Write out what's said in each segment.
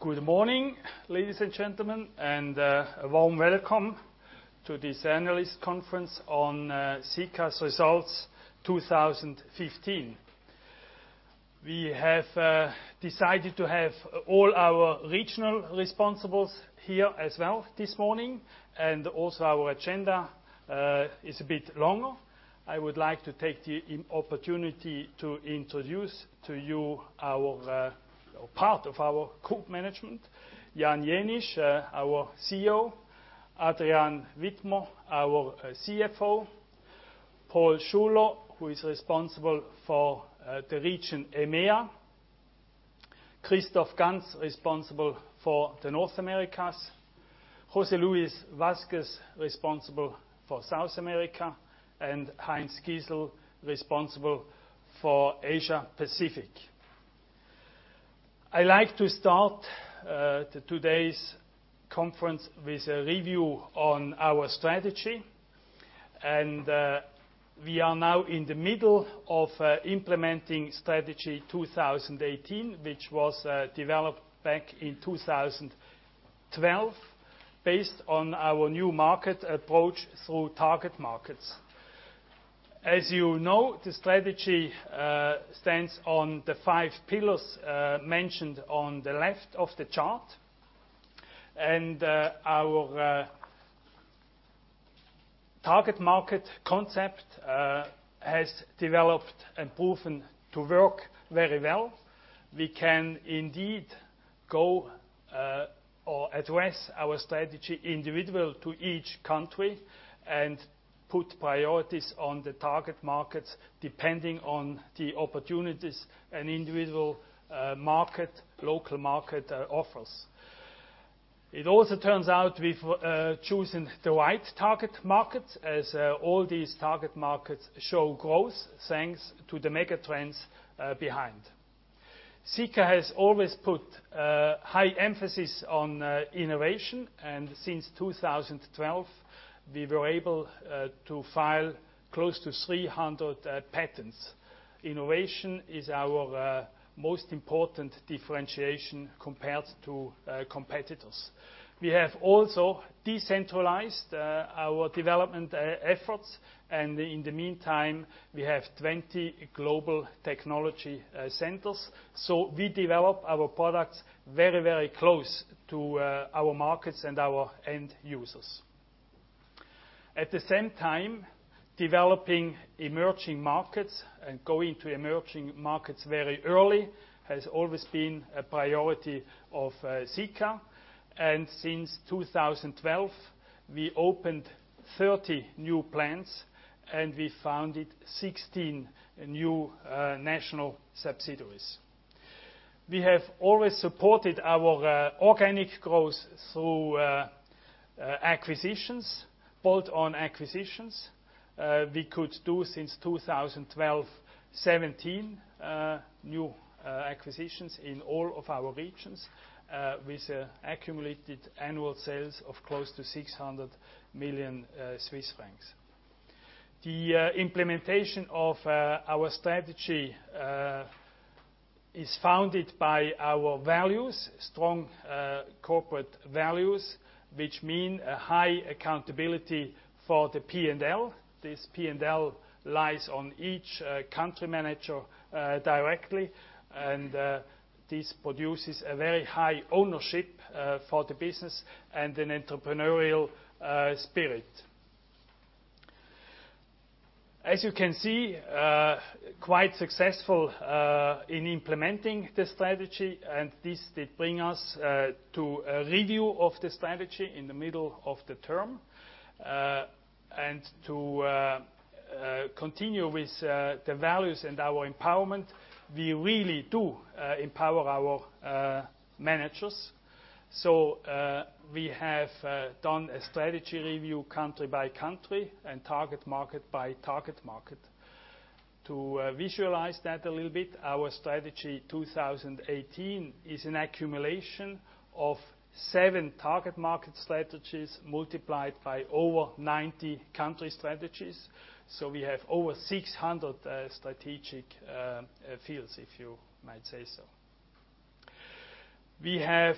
Good morning, ladies and gentlemen, a warm welcome to this analyst conference on Sika's results 2015. We have decided to have all our regional responsibles here as well this morning. Our agenda is a bit longer. I would like to take the opportunity to introduce to you part of our group management, Jan Jenisch, our CEO, Adrian Widmer, our CFO, Paul Schuler, who is responsible for the region EMEA, Christoph Ganz, responsible for North America, José Luis Vázquez, responsible for South America, and Heinz Kissel, responsible for Asia-Pacific. I like to start today's conference with a review on our strategy. We are now in the middle of implementing Strategy 2018, which was developed back in 2012 based on our new market approach through target markets. As you know, the strategy stands on the five pillars mentioned on the left of the chart. Our target market concept has developed and proven to work very well. We can indeed go or address our strategy individual to each country and put priorities on the target markets depending on the opportunities an individual market, local market offers. It also turns out we've chosen the right target market, as all these target markets show growth thanks to the mega trends behind. Sika has always put high emphasis on innovation, since 2012, we were able to file close to 300 patents. Innovation is our most important differentiation compared to competitors. We have also decentralized our development efforts, in the meantime, we have 20 global technology centers. We develop our products very close to our markets and our end users. At the same time, developing emerging markets and going to emerging markets very early has always been a priority of Sika. Since 2012, we opened 30 new plants, and we founded 16 new national subsidiaries. We have always supported our organic growth through acquisitions, bolt-on acquisitions. We could do, since 2012, 17 new acquisitions in all of our regions, with accumulated annual sales of close to 600 million Swiss francs. The implementation of our strategy is founded by our values, strong corporate values, which mean a high accountability for the P&L. This P&L lies on each country manager directly, and this produces a very high ownership for the business and an entrepreneurial spirit. As you can see, quite successful in implementing the strategy, and this did bring us to a review of the strategy in the middle of the term. To continue with the values and our empowerment, we really do empower our managers. We have done a strategy review country by country and target market by target market. To visualize that a little bit, our Strategy 2018 is an accumulation of seven target market strategies multiplied by over 90 country strategies. We have over 600 strategic fields, if you might say so. We have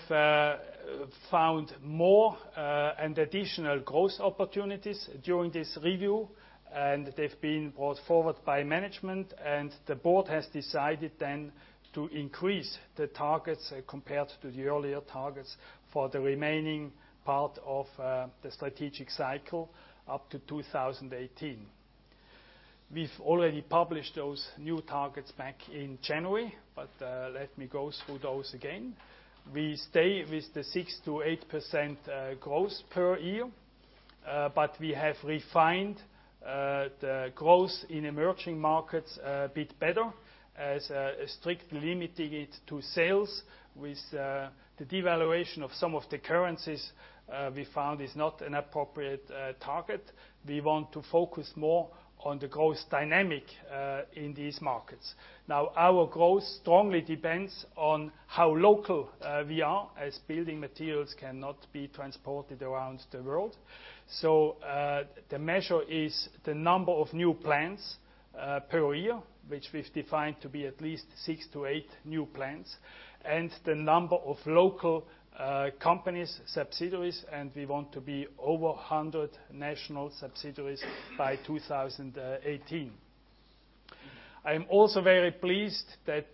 found more and additional growth opportunities during this review, and they've been brought forward by management, and the board has decided then to increase the targets compared to the earlier targets for the remaining part of the strategic cycle up to 2018. We've already published those new targets back in January. Let me go through those again. We stay with the 6%-8% growth per year, We have refined the growth in emerging markets a bit better as strictly limiting it to sales with the devaluation of some of the currencies we found is not an appropriate target. We want to focus more on the growth dynamic in these markets. Our growth strongly depends on how local we are, as building materials cannot be transported around the world. The measure is the number of new plants per year, which we've defined to be at least 6-8 new plants, and the number of local companies, subsidiaries, and we want to be over 100 national subsidiaries by 2018. I am also very pleased that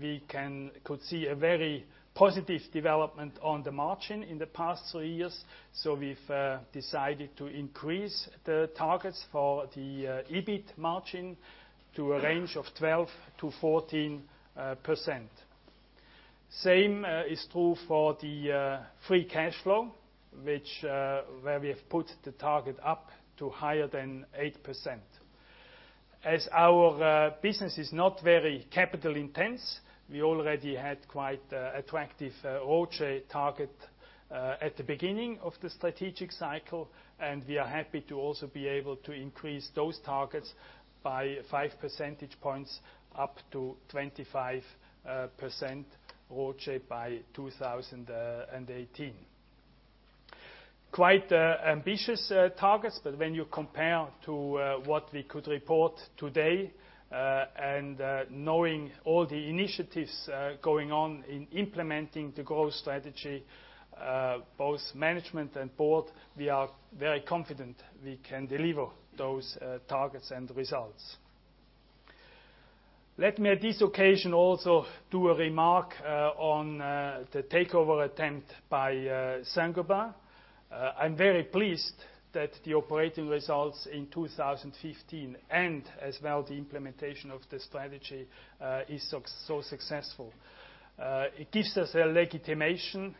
we could see a very positive development on the margin in the past three years. We've decided to increase the targets for the EBIT margin to a range of 12%-14%. Same is true for the free cash flow, where we have put the target up to higher than 8%. As our business is not very capital intense, we already had quite attractive ROCE target at the beginning of the strategic cycle, and we are happy to also be able to increase those targets by five percentage points up to 25% ROCE by 2018. Quite ambitious targets, but when you compare to what we could report today, and knowing all the initiatives going on in implementing the growth strategy, both management and board, we are very confident we can deliver those targets and results. Let me, at this occasion, also do a remark on the takeover attempt by Saint-Gobain. I'm very pleased that the operating results in 2015 and as well the implementation of the strategy is so successful. It gives us a legitimation,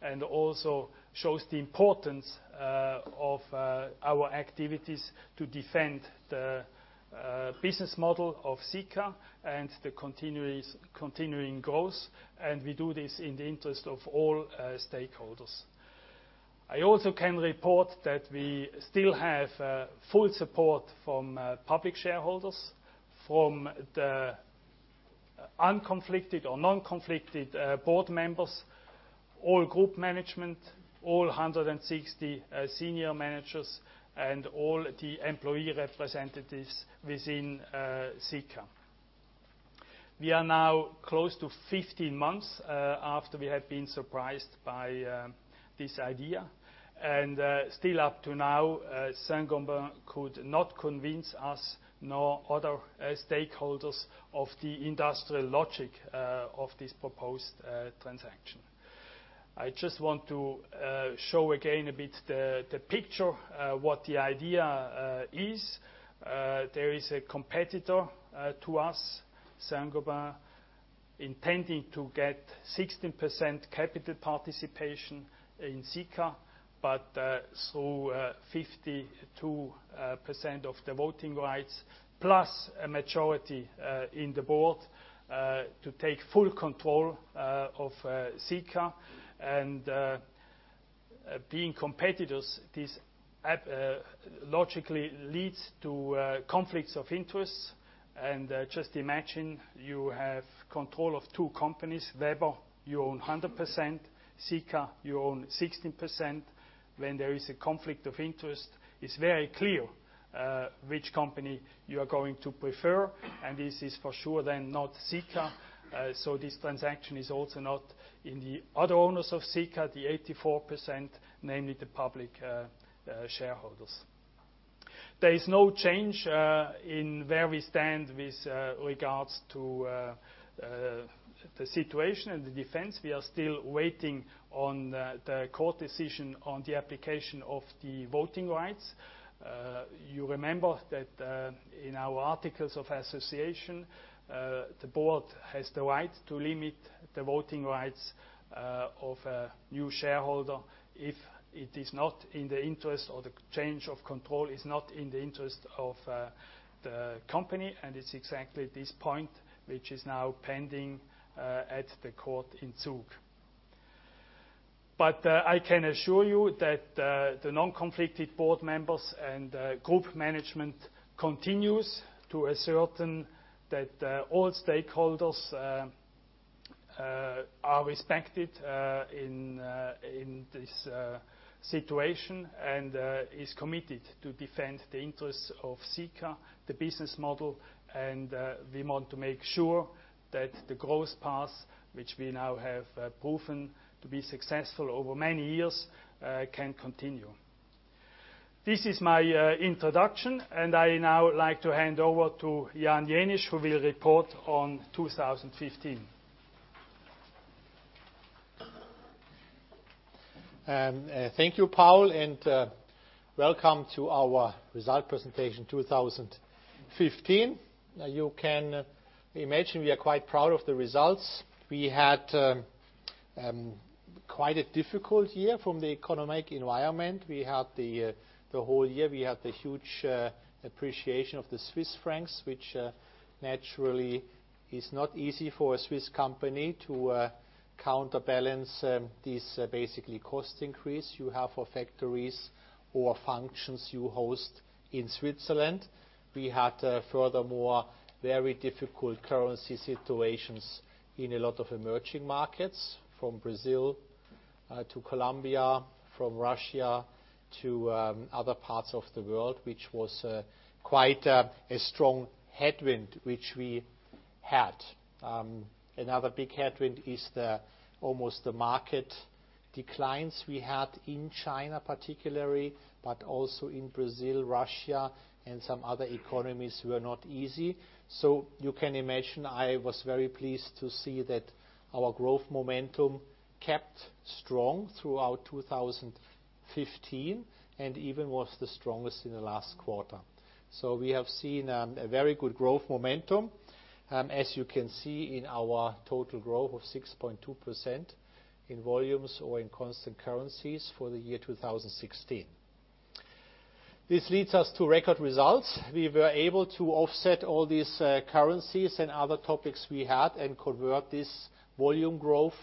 and also shows the importance of our activities to defend the business model of Sika and the continuing growth. We do this in the interest of all stakeholders. I also can report that we still have full support from public shareholders, from the unconflicted or non-conflicted board members, all group management, all 160 senior managers and all the employee representatives within Sika. We are now close to 15 months, after we have been surprised by this idea. Still up to now, Saint-Gobain could not convince us, nor other stakeholders of the industrial logic of this proposed transaction. I just want to show again a bit the picture, what the idea is. There is a competitor to us, Saint-Gobain, intending to get 16% capital participation in Sika, Through 52% of the voting rights, plus a majority in the board, to take full control of Sika. Being competitors, this logically leads to conflicts of interests. Just imagine you have control of two companies, Weber, you own 100%, Sika, you own 16%. When there is a conflict of interest, it's very clear which company you are going to prefer, and this is for sure then not Sika. This transaction is also not in the other owners of Sika, the 84%, namely the public shareholders. There is no change in where we stand with regards to the situation and the defense. We are still waiting on the court decision on the application of the voting rights. You remember that in our articles of association, the board has the right to limit the voting rights of a new shareholder if it is not in the interest, or the change of control is not in the interest of the company. It's exactly this point, which is now pending at the court in Zug. I can assure you that the non-conflicted board members and group management continues to ascertain that all stakeholders are respected in this situation, and is committed to defend the interests of Sika, the business model. We want to make sure that the growth path, which we now have proven to be successful over many years, can continue. This is my introduction, and I now like to hand over to Jan Jenisch, who will report on 2015. Thank you, Paul, and welcome to our result presentation 2015. You can imagine we are quite proud of the results. We had quite a difficult year from the economic environment. We had the whole year, we had the huge appreciation of the Swiss francs, which naturally is not easy for a Swiss company to counterbalance this basically cost increase you have for factories or functions you host in Switzerland. We had, furthermore, very difficult currency situations in a lot of emerging markets from Brazil to Colombia, from Russia to other parts of the world, which was quite a strong headwind, which we had. Another big headwind is almost the market declines we had in China particularly, but also in Brazil, Russia, and some other economies were not easy. You can imagine, I was very pleased to see that our growth momentum kept strong throughout 2015 and even was the strongest in the last quarter. We have seen a very good growth momentum. As you can see in our total growth of 6.2% in volumes or in constant currencies for the year 2016. This leads us to record results. We were able to offset all these currencies and other topics we had and convert this volume growth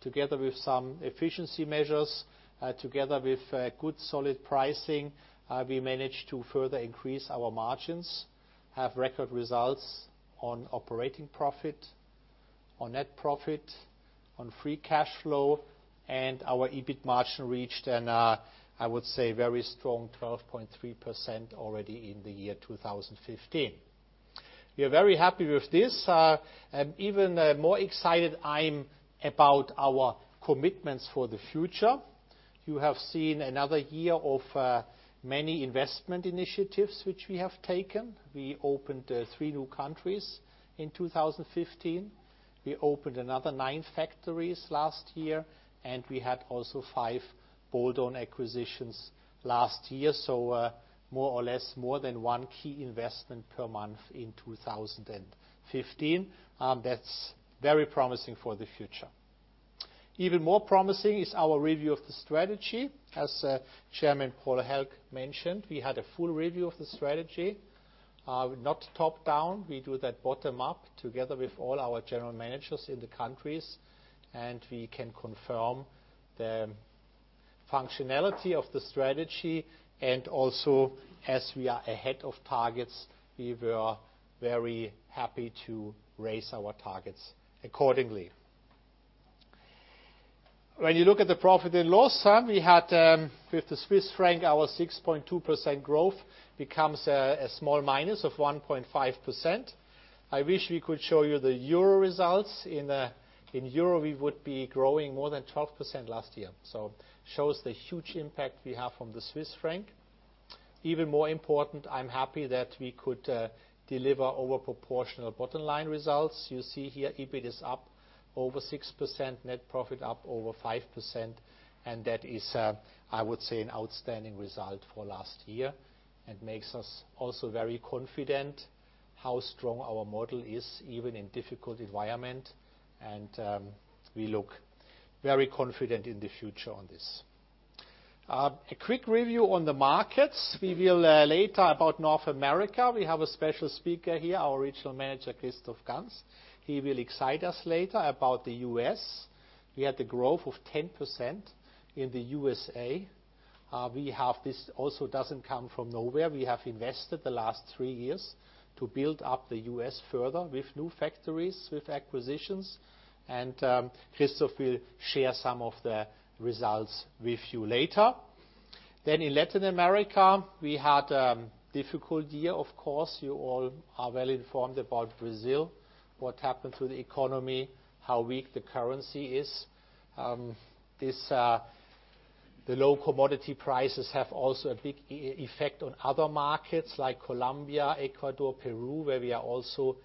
together with some efficiency measures, together with good solid pricing. We managed to further increase our margins, have record results on operating profit, on net profit, on free cash flow, and our EBIT margin reached, and I would say very strong 12.3% already in the year 2015. We are very happy with this. Even more excited I'm about our commitments for the future. You have seen another year of many investment initiatives which we have taken. We opened three new countries in 2015. We opened another nine factories last year, and we had also five bolt-on acquisitions last year. More or less more than one key investment per month in 2015. That's very promising for the future. Even more promising is our review of the strategy. As Chairman Paul Hälg mentioned, we had a full review of the strategy. Not top-down. We do that bottom-up together with all our general managers in the countries, and we can confirm the functionality of the strategy and also as we are ahead of targets, we were very happy to raise our targets accordingly. When you look at the profit and loss sum, we had with the Swiss franc, our 6.2% growth becomes a small minus of 1.5%. I wish we could show you the EUR results. In EUR, we would be growing more than 12% last year. Shows the huge impact we have from the Swiss franc. Even more important, I'm happy that we could deliver over proportional bottom-line results. You see here, EBIT is up over 6%, net profit up over 5%, and that is, I would say, an outstanding result for last year and makes us also very confident how strong our model is even in difficult environment. We look very confident in the future on this. A quick review on the markets. We will later about North America. We have a special speaker here, our regional manager, Christoph Ganz. He will excite us later about the U.S. We had the growth of 10% in the U.S.A. This also doesn't come from nowhere. We have invested the last three years to build up the U.S. further with new factories, with acquisitions. Christoph will share some of the results with you later. In Latin America, we had a difficult year. Of course, you all are well informed about Brazil, what happened to the economy, how weak the currency is. The low commodity prices have also a big effect on other markets like Colombia, Ecuador, Peru, where we are also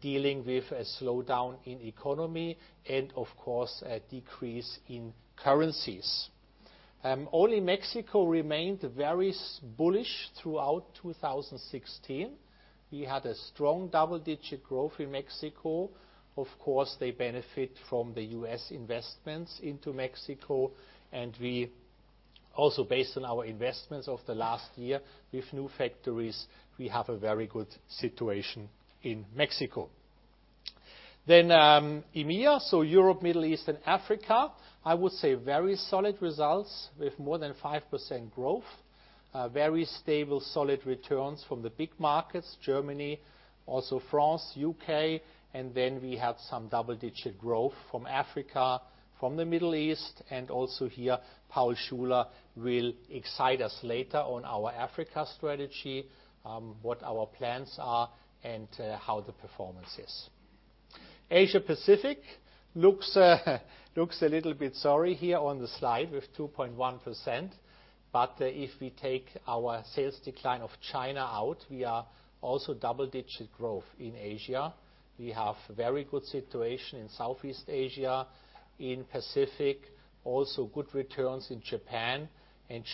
dealing with a slowdown in economy and of course, a decrease in currencies. Only Mexico remained very bullish throughout 2016. We had a strong double-digit growth in Mexico. Of course, they benefit from the U.S. investments into Mexico. We also based on our investments of the last year with new factories, we have a very good situation in Mexico. EMEA, so Europe, Middle East, and Africa. I would say very solid results with more than 5% growth. Very stable, solid returns from the big markets, Germany, France, U.K. We have some double-digit growth from Africa, from the Middle East. Also here, Paul Schuler will excite us later on our Africa strategy, what our plans are and how the performance is. Asia Pacific looks a little bit sorry here on the slide with 2.1%. If we take our sales decline of China out, we are also double-digit growth in Asia. We have very good situation in Southeast Asia, in Pacific, also good returns in Japan.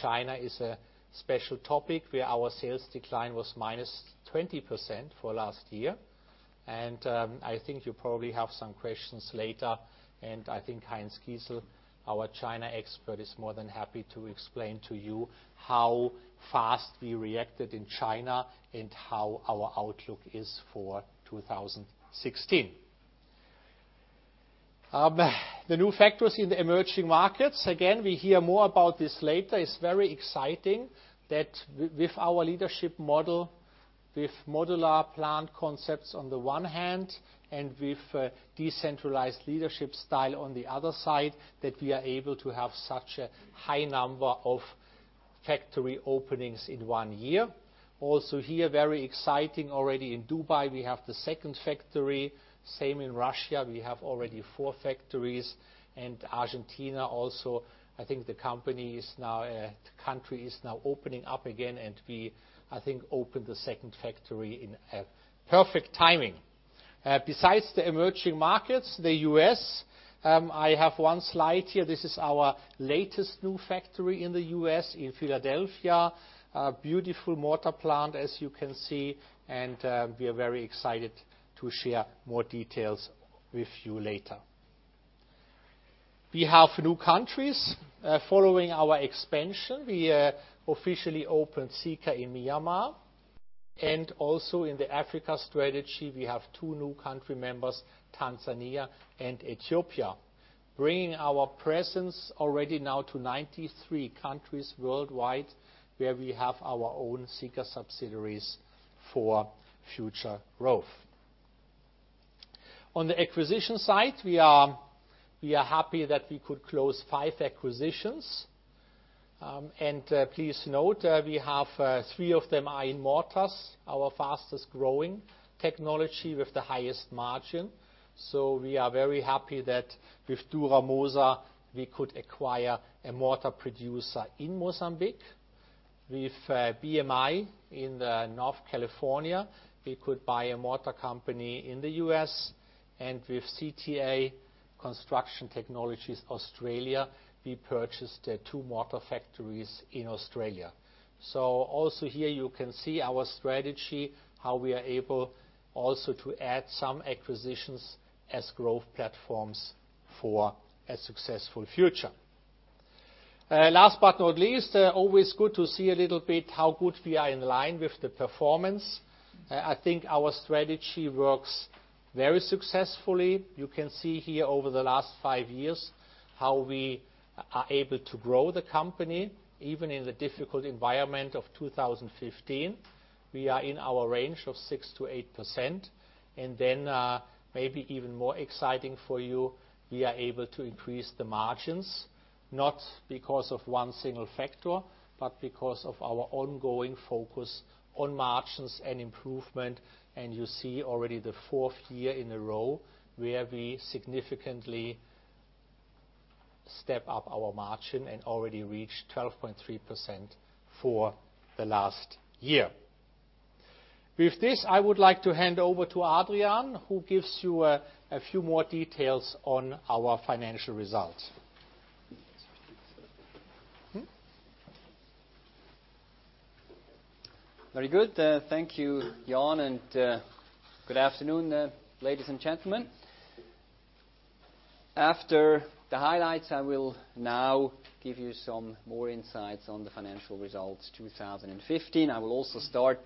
China is a special topic where our sales decline was -20% for last year. I think you probably have some questions later. I think Heinz Kissel, our China expert, is more than happy to explain to you how fast we reacted in China and how our outlook is for 2016. The new factories in the emerging markets. Again, we hear more about this later. It's very exciting that with our leadership model, with modular plant concepts on the one hand and with a decentralized leadership style on the other side, that we are able to have such a high number of factory openings in one year. Also here, very exciting. Already in Dubai, we have the second factory. Same in Russia, we have already four factories. Argentina, also, I think the country is now opening up again. We, I think, opened the second factory in perfect timing. Besides the emerging markets, the U.S., I have one slide here. This is our latest new factory in the U.S. in Philadelphia. A beautiful mortar plant, as you can see, and we are very excited to share more details with you later. We have new countries following our expansion. We officially opened Sika in Myanmar. Also in the Africa strategy, we have two new country members, Tanzania and Ethiopia, bringing our presence already now to 93 countries worldwide, where we have our own Sika subsidiaries for future growth. On the acquisition side, we are happy that we could close five acquisitions. Please note, three of them are in mortars, our fastest-growing technology with the highest margin. We are very happy that with Duro-Moza, we could acquire a mortar producer in Mozambique. With BMI in Northern California, we could buy a mortar company in the U.S. With CTA, Construction Technologies Australia, we purchased two mortar factories in Australia. Also here you can see our strategy, how we are able also to add some acquisitions as growth platforms for a successful future. Last but not least, always good to see a little bit how good we are in line with the performance. I think our strategy works very successfully. You can see here over the last five years how we are able to grow the company, even in the difficult environment of 2015. We are in our range of 6%-8%. Maybe even more exciting for you, we are able to increase the margins, not because of one single factor, but because of our ongoing focus on margins and improvement. You see already the fourth year in a row where we significantly step up our margin and already reached 12.3% for the last year. With this, I would like to hand over to Adrian, who gives you a few more details on our financial results. Very good. Thank you, Jan, and good afternoon, ladies and gentlemen. After the highlights, I will now give you some more insights on the financial results 2015. I will also start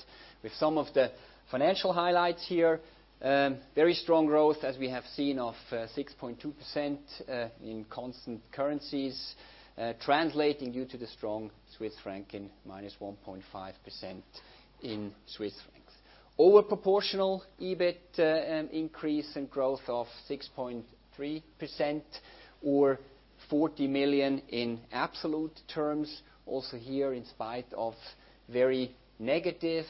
with some of the financial highlights here. Very strong growth, as we have seen, of 6.2% in constant currencies, translating due to the strong Swiss franc in -1.5% in CHF. Over proportional EBIT increase and growth of 6.3% or 40 million in absolute terms. Also here, in spite of very negative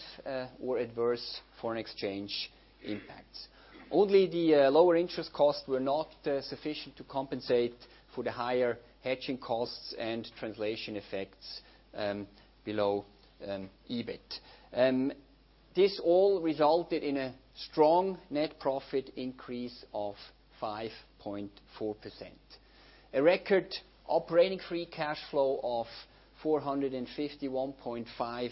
or adverse foreign exchange impacts. Only the lower interest costs were not sufficient to compensate for the higher hedging costs and translation effects below EBIT. This all resulted in a strong net profit increase of 5.4%. A record operating free cash flow of 451.5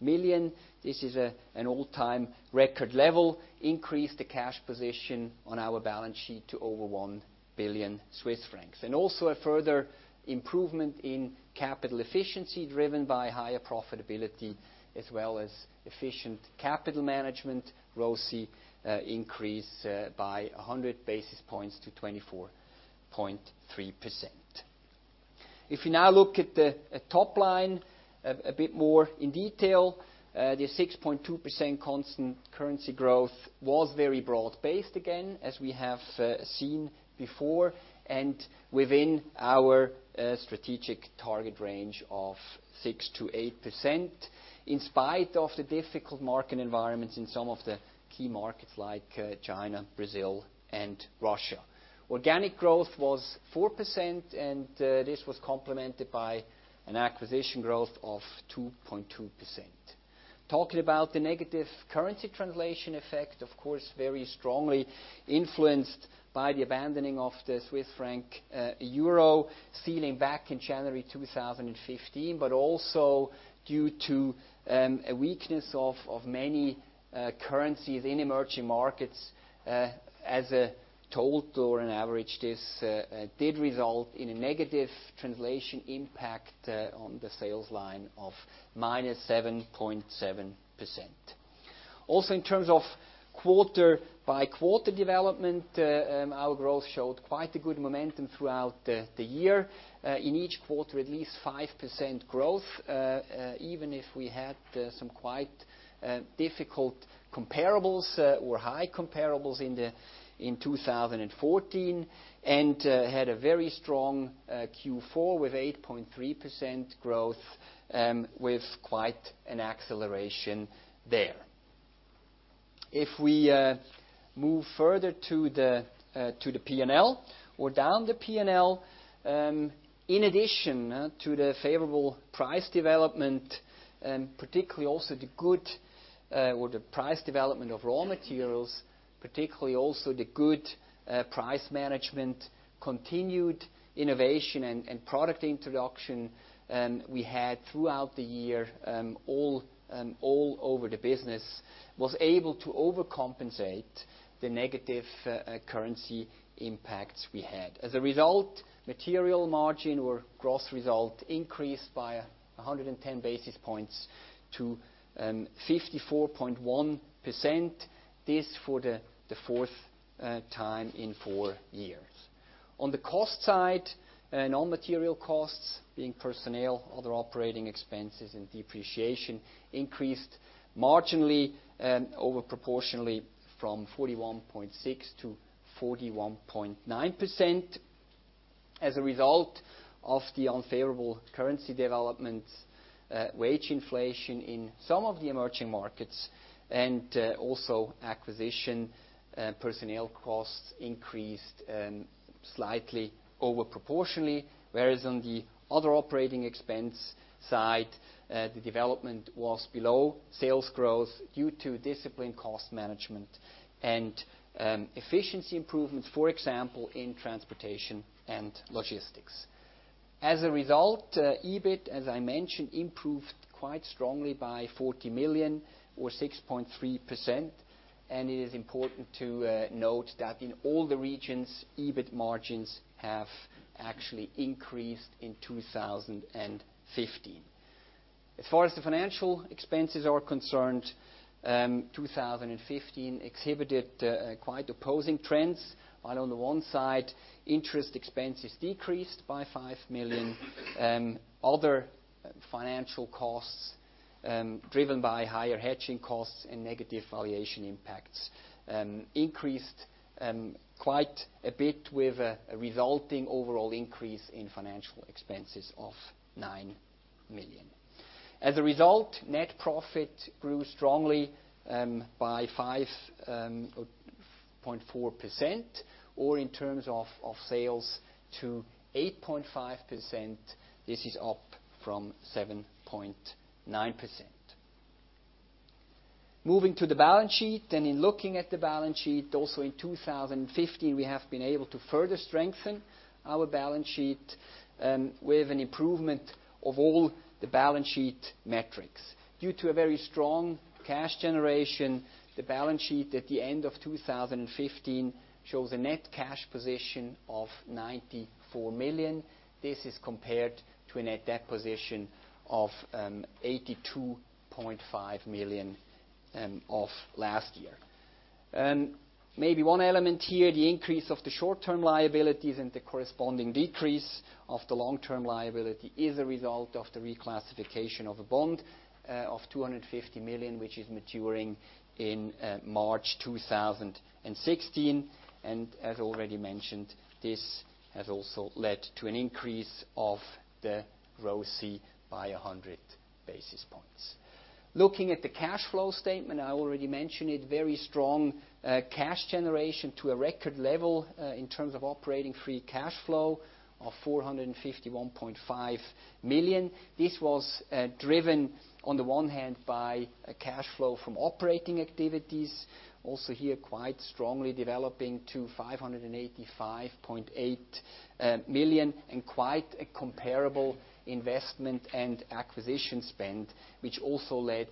million. This is an all-time record level. Increased the cash position on our balance sheet to over 1 billion Swiss francs. Also a further improvement in capital efficiency, driven by higher profitability as well as efficient capital management. ROCE increased by 100 basis points to 24.3%. If you now look at the top line a bit more in detail, the 6.2% constant currency growth was very broad-based again, as we have seen before, and within our strategic target range of 6%-8%, in spite of the difficult market environments in some of the key markets like China, Brazil, and Russia. Organic growth was 4%, and this was complemented by an acquisition growth of 2.2%. Talking about the negative currency translation effect, of course, very strongly influenced by the abandoning of the Swiss franc Euro ceiling back in January 2015, but also due to a weakness of many currencies in emerging markets. As a total or an average, this did result in a negative translation impact on the sales line of -7.7%. In terms of quarter-by-quarter development, our growth showed quite a good momentum throughout the year. In each quarter, at least 5% growth, even if we had some quite difficult comparables or high comparables in 2014, and had a very strong Q4 with 8.3% growth, with quite an acceleration there. If we move further to the P&L or down the P&L, in addition to the favorable price development, particularly also the good price development of raw materials, particularly also the good price management, continued innovation and product introduction we had throughout the year, all over the business, was able to overcompensate the negative currency impacts we had. As a result, material margin or gross result increased by 110 basis points to 54.1%. This for the fourth time in four years. On the cost side, non-material costs, being personnel, other operating expenses, and depreciation, increased marginally over proportionally from 41.6%-41.9%. As a result of the unfavorable currency developments, wage inflation in some of the emerging markets, and also acquisition, personnel costs increased slightly over proportionally, whereas on the other operating expense side, the development was below sales growth due to disciplined cost management and efficiency improvements, for example, in transportation and logistics. As a result, EBIT, as I mentioned, improved quite strongly by 40 million or 6.3%, and it is important to note that in all the regions, EBIT margins have actually increased in 2015. As far as the financial expenses are concerned, 2015 exhibited quite opposing trends. While on the one side, interest expenses decreased by 5 million. Other financial costs, driven by higher hedging costs and negative valuation impacts, increased quite a bit with a resulting overall increase in financial expenses of 9 million. As a result, net profit grew strongly by 5.4%, or in terms of sales to 8.5%. This is up from 7.9%. Moving to the balance sheet, in looking at the balance sheet, also in 2015, we have been able to further strengthen our balance sheet with an improvement of all the balance sheet metrics. Due to a very strong cash generation, the balance sheet at the end of 2015 shows a net cash position of 94 million. This is compared to a net debt position of 82.5 million of last year. Maybe one element here, the increase of the short-term liabilities and the corresponding decrease of the long-term liability is a result of the reclassification of a bond of 250 million, which is maturing in March 2016. As already mentioned, this has also led to an increase of the ROC by 100 basis points. Looking at the cash flow statement, I already mentioned it, very strong cash generation to a record level in terms of operating free cash flow of 451.5 million. This was driven, on the one hand, by a cash flow from operating activities. Also here, quite strongly developing to 585.8 million and quite a comparable investment and acquisition spend, which also led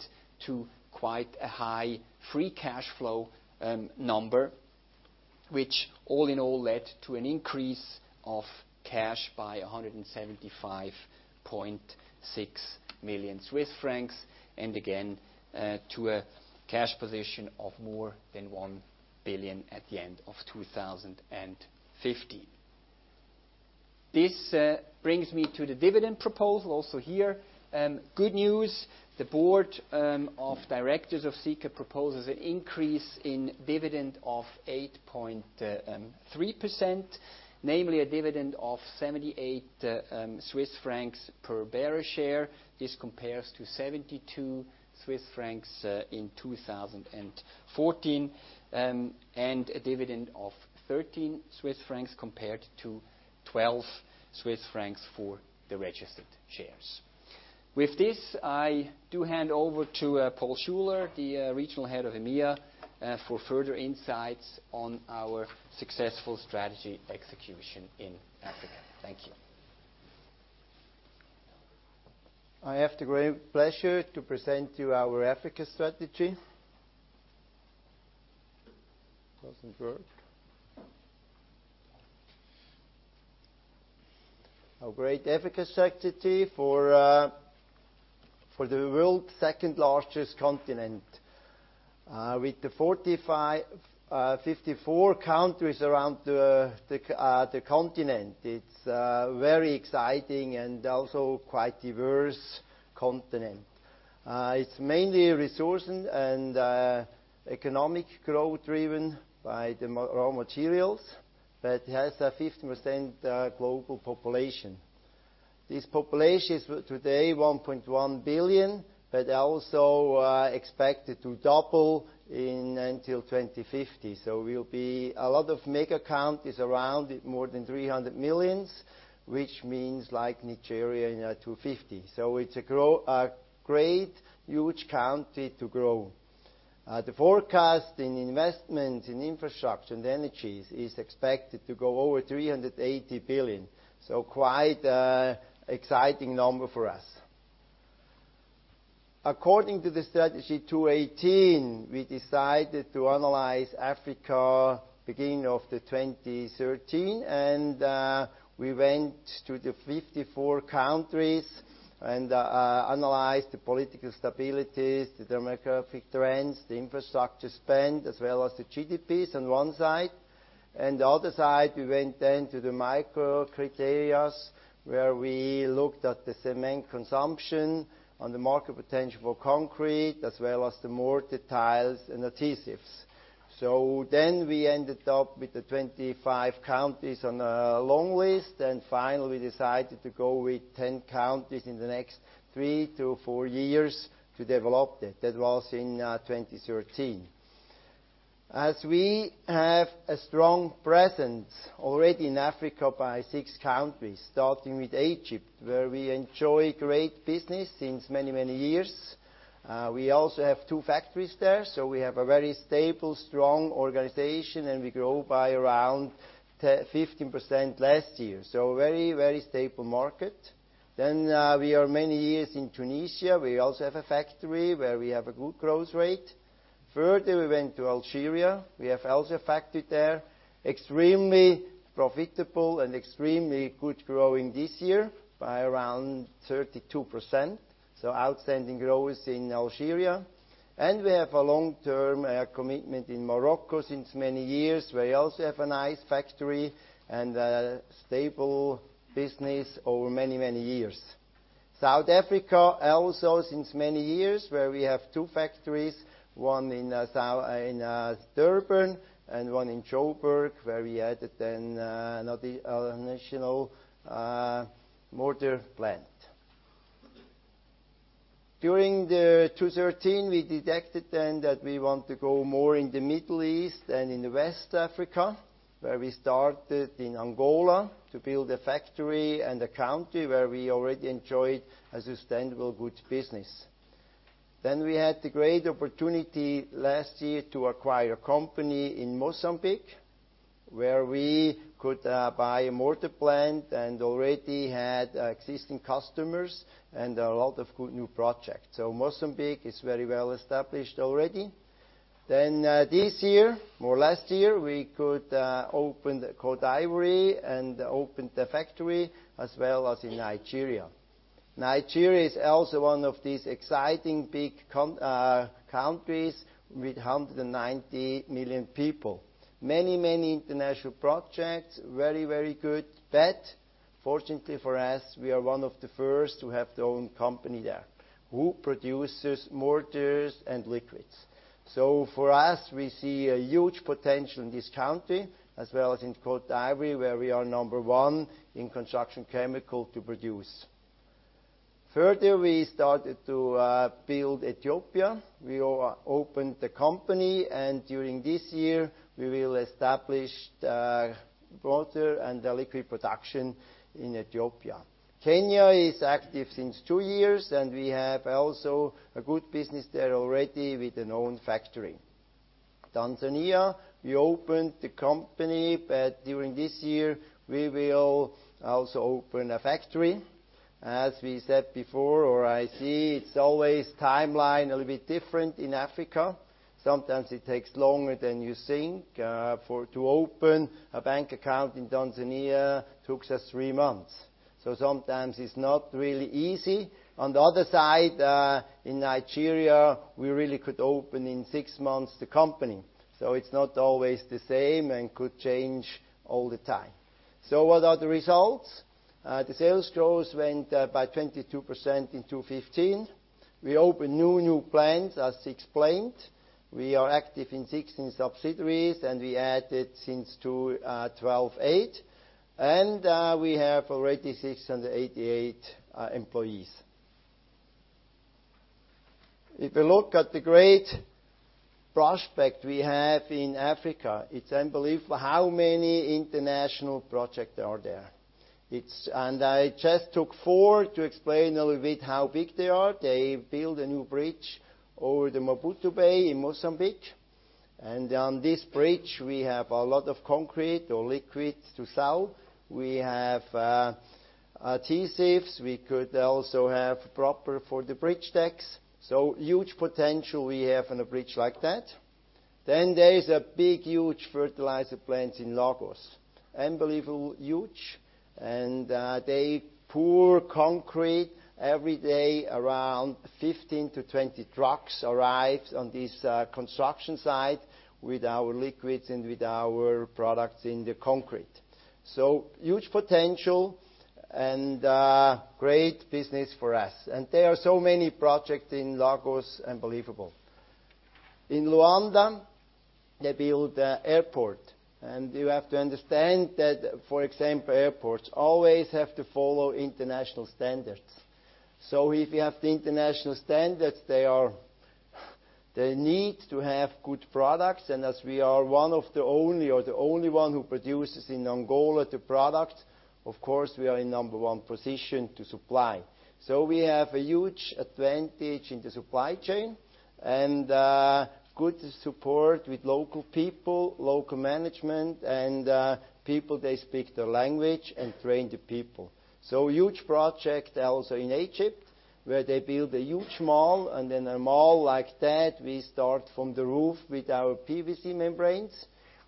to quite a high free cash flow number, which all in all led to an increase of cash by 175.6 million Swiss francs, and again, to a cash position of more than 1 billion at the end of 2015. This brings me to the dividend proposal. Also here, good news. The board of directors of Sika proposes an increase in dividend of 8.3%, namely a dividend of 78 Swiss francs per bearer share. This compares to 72 Swiss francs in 2014, and a dividend of 13 Swiss francs compared to 12 Swiss francs for the registered shares. With this, I do hand over to Paul Schuler, the Regional Head of EMEA, for further insights on our successful strategy execution in Africa. Thank you. I have the great pleasure to present to you our Africa strategy. It doesn't work. Our great Africa strategy for the world's second-largest continent. With the 54 countries around the continent, it's a very exciting and also quite diverse continent. It's mainly resourcing and economic growth driven by the raw materials, but it has a 15% global population. This population is today 1.1 billion, but also expected to double until 2050. A lot of mega countries around more than 300 million, which means like Nigeria in 250 million. It's a great, huge country to grow. The forecast in investment in infrastructure and energies is expected to go over 380 billion. Quite exciting number for us. According to the Strategy 2018, we decided to analyze Africa beginning of 2013, and we went to the 54 countries and analyzed the political stability, the demographic trends, the infrastructure spend, as well as the GDPs on one side. The other side, we went then to the micro criteria, where we looked at the cement consumption, on the market potential for concrete, as well as the mortar, tiles, and adhesives. We ended up with the 25 countries on a long list, and finally decided to go with 10 countries in the next three to four years to develop that. That was in 2013. As we have a strong presence already in Africa by six countries, starting with Egypt, where we enjoy great business since many, many years. We also have two factories there, we have a very stable, strong organization, we grow by around 15% last year. Very stable market. We are many years in Tunisia. We also have a factory where we have a good growth rate. We went to Algeria. We have also a factory there. Extremely profitable and extremely good growing this year by around 32%. Outstanding growth in Algeria. We have a long-term commitment in Morocco since many years, where we also have a nice factory and a stable business over many, many years. South Africa, also since many years, where we have two factories. One in Durban and one in Jo'burg, where we added another additional mortar plant. During 2013, we detected then that we want to go more in the Middle East than in the West Africa, where we started in Angola to build a factory and a country where we already enjoyed a sustainable good business. We had the great opportunity last year to acquire a company in Mozambique, where we could buy a mortar plant and already had existing customers and a lot of good new projects. Mozambique is very well established already. This year, or last year, we could open the Côte d'Ivoire and opened a factory as well as in Nigeria. Nigeria is also one of these exciting big countries with 190 million people. Many international projects, very good. Fortunately for us, we are one of the first to have their own company there who produces mortars and liquids. For us, we see a huge potential in this country, as well as in Côte d'Ivoire, where we are number one in construction chemical to produce. We started to build Ethiopia. We opened the company, during this year, we will establish the mortar and the liquid production in Ethiopia. Kenya is active since two years, we have also a good business there already with an own factory. Tanzania, we opened the company, during this year, we will also open a factory. As we said before or I see, it's always timeline a little bit different in Africa. Sometimes it takes longer than you think. To open a bank account in Tanzania took us three months, sometimes it's not really easy. On the other side, in Nigeria, we really could open in six months the company. It's not always the same and could change all the time. What are the results? The sales growth went by 22% in 2015. We opened new plants as explained. We are active in 16 subsidiaries, we added since 2012, eight. We have already 688 employees. If you look at the great prospect we have in Africa, it's unbelievable how many international projects are there. I just took four to explain a little bit how big they are. They build a new bridge over the Maputo Bay in Mozambique. On this bridge, we have a lot of concrete or liquid to sell. We have adhesives. We could also have proper for the bridge decks. Huge potential we have on a bridge like that. There is a big, huge fertilizer plant in Lagos. Unbelievable huge. They pour concrete every day around 15 to 20 trucks arrives on this construction site with our liquids and with our products in the concrete. Huge potential and great business for us. There are so many projects in Lagos, unbelievable. In Luanda, they build the airport. You have to understand that, for example, airports always have to follow international standards. If you have the international standards, they need to have good products, and as we are one of the only, or the only one who produces in Angola the product, of course, we are in number one position to supply. We have a huge advantage in the supply chain and good support with local people, local management, and people they speak the language and train the people. Huge project also in Egypt, where they build a huge mall. In a mall like that, we start from the roof with our PVC membranes.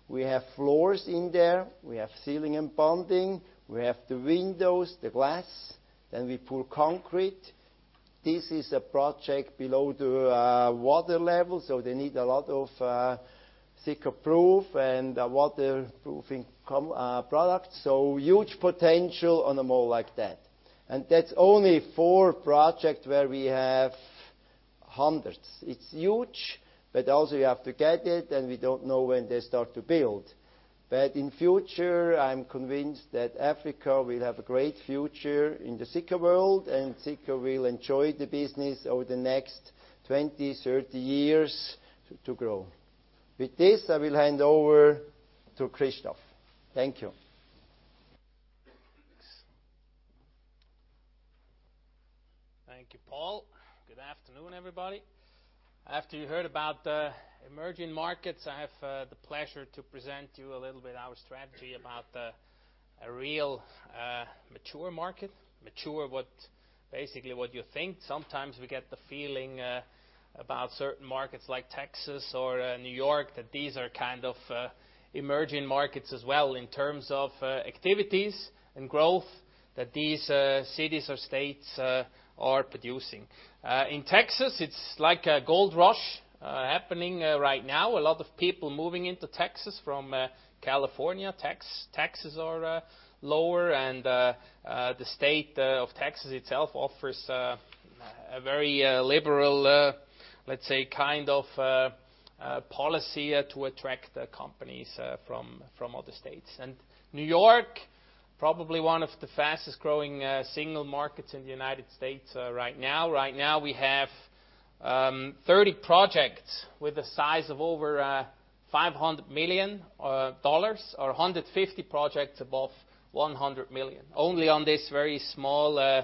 We have floors in there. We have sealing and bonding. We have the windows, the glass. We pour concrete. This is a project below the water level, they need a lot of Sikaproof and waterproofing products. Huge potential on a mall like that. That's only four projects where we have hundreds. It's huge, also you have to get it, and we don't know when they start to build. In future, I'm convinced that Africa will have a great future in the Sika world, and Sika will enjoy the business over the next 20, 30 years to grow. With this, I will hand over to Christoph. Thank you. Thanks. Thank you, Paul. Good afternoon, everybody. After you heard about the emerging markets, I have the pleasure to present you a little bit our strategy about the real mature market. Mature, basically what you think. Sometimes we get the feeling about certain markets like Texas or New York, that these are kind of emerging markets as well in terms of activities and growth that these cities or states are producing. In Texas, it's like a gold rush happening right now. A lot of people moving into Texas from California. Taxes are lower and the state of Texas itself offers a very liberal, let's say, kind of policy to attract the companies from other states. New York, probably one of the fastest-growing single markets in the United States right now. Right now, we have 30 projects with a size of over $500 million, or 150 projects above $100 million. Only on this very small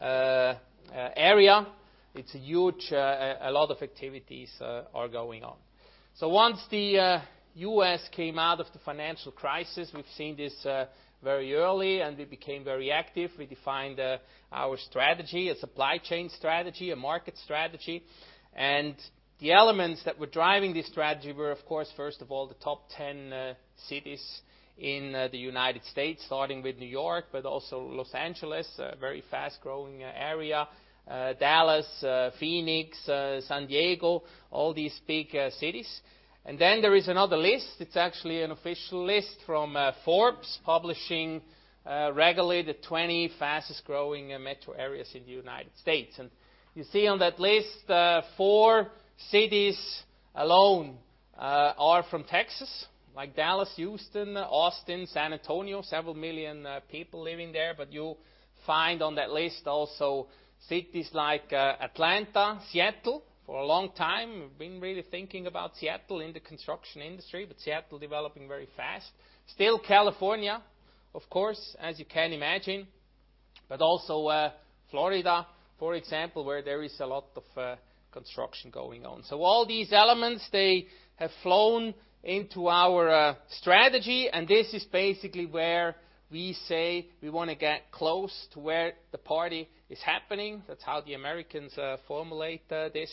area. It's huge. A lot of activities are going on. Once the U.S. came out of the financial crisis, we've seen this very early and we became very active. We defined our strategy, a supply chain strategy, a market strategy. The elements that were driving this strategy were, of course, first of all, the top 10 cities in the United States, starting with New York, but also L.A., a very fast-growing area, Dallas, Phoenix, San Diego, all these big cities. Then there is another list. It's actually an official list from Forbes, publishing regularly the 20 fastest-growing metro areas in the United States. You see on that list, four cities alone are from Texas, like Dallas, Houston, Austin, San Antonio, several million people living there. You find on that list also cities like Atlanta, Seattle. For a long time, we've been really thinking about Seattle in the construction industry, but Seattle developing very fast. Still California, of course, as you can imagine, but also Florida, for example, where there is a lot of construction going on. All these elements, they have flown into our strategy, and this is basically where we say we want to get close to where the party is happening. That's how the Americans formulate this.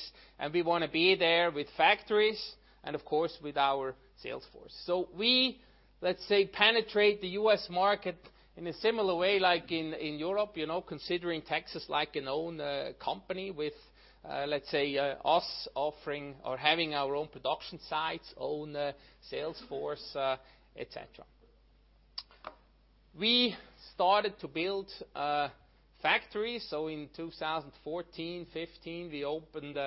We want to be there with factories and, of course, with our sales force. We, let's say, penetrate the U.S. market in a similar way like in Europe, considering Texas like an own company with, let's say, us offering or having our own production sites, own sales force, et cetera. We started to build factories. In 2014, 2015, we opened,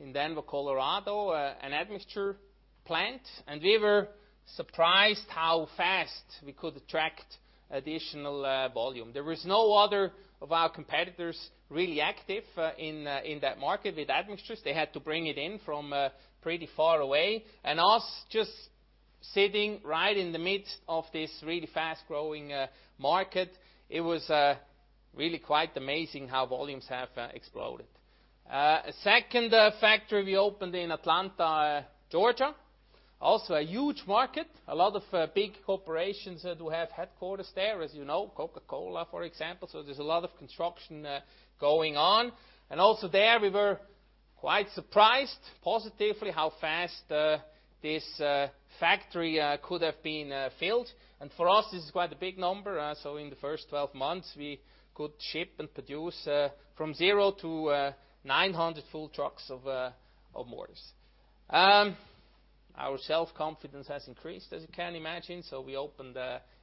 in Denver, Colorado, an admixture plant, and we were surprised how fast we could attract additional volume. There was no other of our competitors really active in that market with admixtures. They had to bring it in from pretty far away. Us just sitting right in the midst of this really fast-growing market, it was really quite amazing how volumes have exploded. A second factory we opened in Atlanta, Georgia. Also, a huge market. A lot of big corporations do have headquarters there, as you know. Coca-Cola, for example. There's a lot of construction going on. Also there, we were quite surprised, positively, how fast this factory could have been filled. For us, this is quite a big number. In the first 12 months, we could ship and produce from zero to 900 full trucks of mortars. Our self-confidence has increased, as you can imagine. We opened,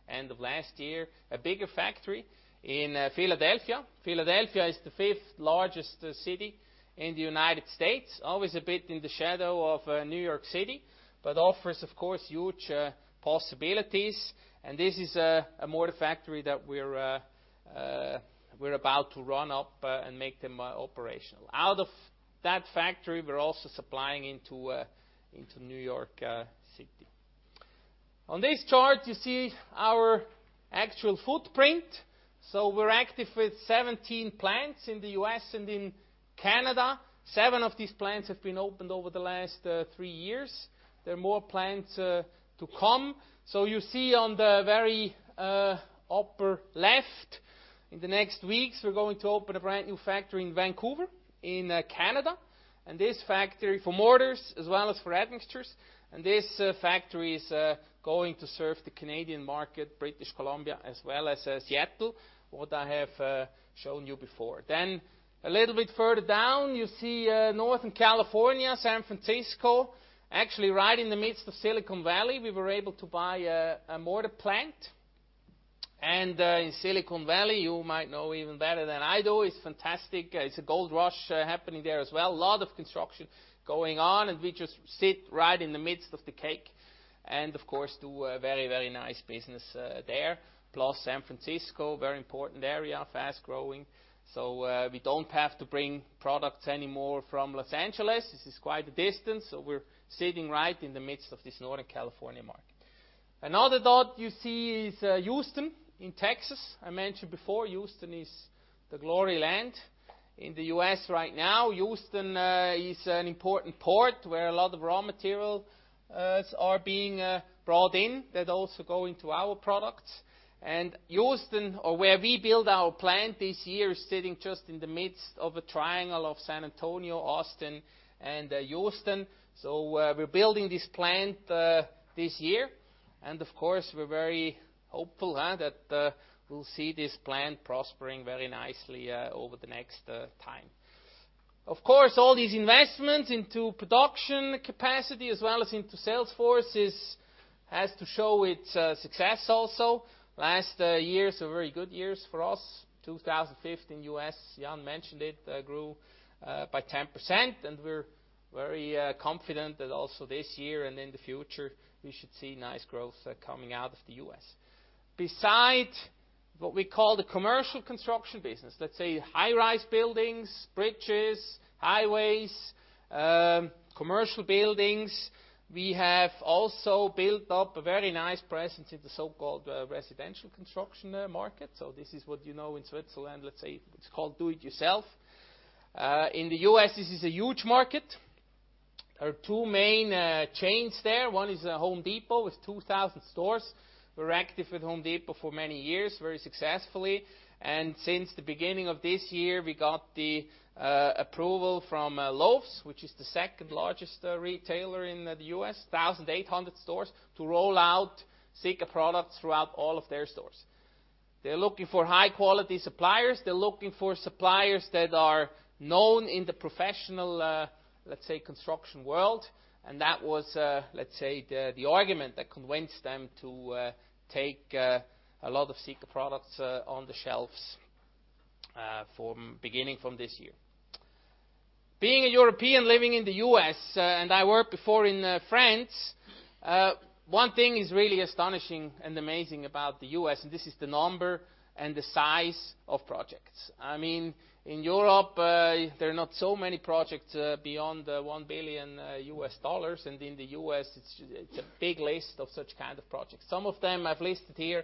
end of last year, a bigger factory in Philadelphia. Philadelphia is the 5th largest city in the U.S., always a bit in the shadow of New York City, but offers, of course, huge possibilities. This is a mortar factory that we're about to run up and make them operational. Out of that factory, we're also supplying into New York City. On this chart, you see our actual footprint. We're active with 17 plants in the U.S. and in Canada. 7 of these plants have been opened over the last 3 years. There are more plants to come. You see on the very upper left, in the next weeks, we're going to open a brand-new factory in Vancouver, in Canada. This factory, for mortars as well as for admixtures. This factory is going to serve the Canadian market, British Columbia, as well as Seattle, what I have shown you before. A little bit further down, you see Northern California, San Francisco. Actually, right in the midst of Silicon Valley, we were able to buy a mortar plant. In Silicon Valley, you might know even better than I do, it's fantastic. It's a gold rush happening there as well. A lot of construction going on, and we just sit right in the midst of the cake and, of course, do very, very nice business there. Plus San Francisco, very important area, fast-growing. We don't have to bring products anymore from Los Angeles. This is quite a distance. We're sitting right in the midst of this Northern California market. Another dot you see is Houston in Texas. I mentioned before, Houston is the glory land in the U.S. right now. Houston is an important port where a lot of raw materials are being brought in that also go into our products. Houston, or where we build our plant this year, is sitting just in the midst of a triangle of San Antonio, Austin, and Houston. We're building this plant this year. Of course, we're very hopeful that we'll see this plant prospering very nicely over the next time. Of course, all these investments into production capacity as well as into sales forces has to show its success also. Last years were very good years for us. 2015 U.S., Jan mentioned it, grew by 10%, we're very confident that also this year and in the future, we should see nice growth coming out of the U.S. Beside what we call the commercial construction business, let's say high-rise buildings, bridges, highways, commercial buildings, we have also built up a very nice presence in the so-called residential construction market. This is what you know in Switzerland, let's say, it's called do it yourself. In the U.S., this is a huge market. There are two main chains there. One is Home Depot with 2,000 stores. We're active with Home Depot for many years, very successfully. Since the beginning of this year, we got the approval from Lowe's, which is the second largest retailer in the U.S., 1,800 stores, to roll out Sika products throughout all of their stores. They're looking for high-quality suppliers. They're looking for suppliers that are known in the professional, let's say, construction world. That was, let's say, the argument that convinced them to take a lot of Sika products on the shelves beginning from this year. Being a European living in the U.S., and I worked before in France, one thing is really astonishing and amazing about the U.S., and this is the number and the size of projects. I mean, in Europe, there are not so many projects beyond $1 billion. In the U.S., it's a big list of such kind of projects. Some of them I've listed here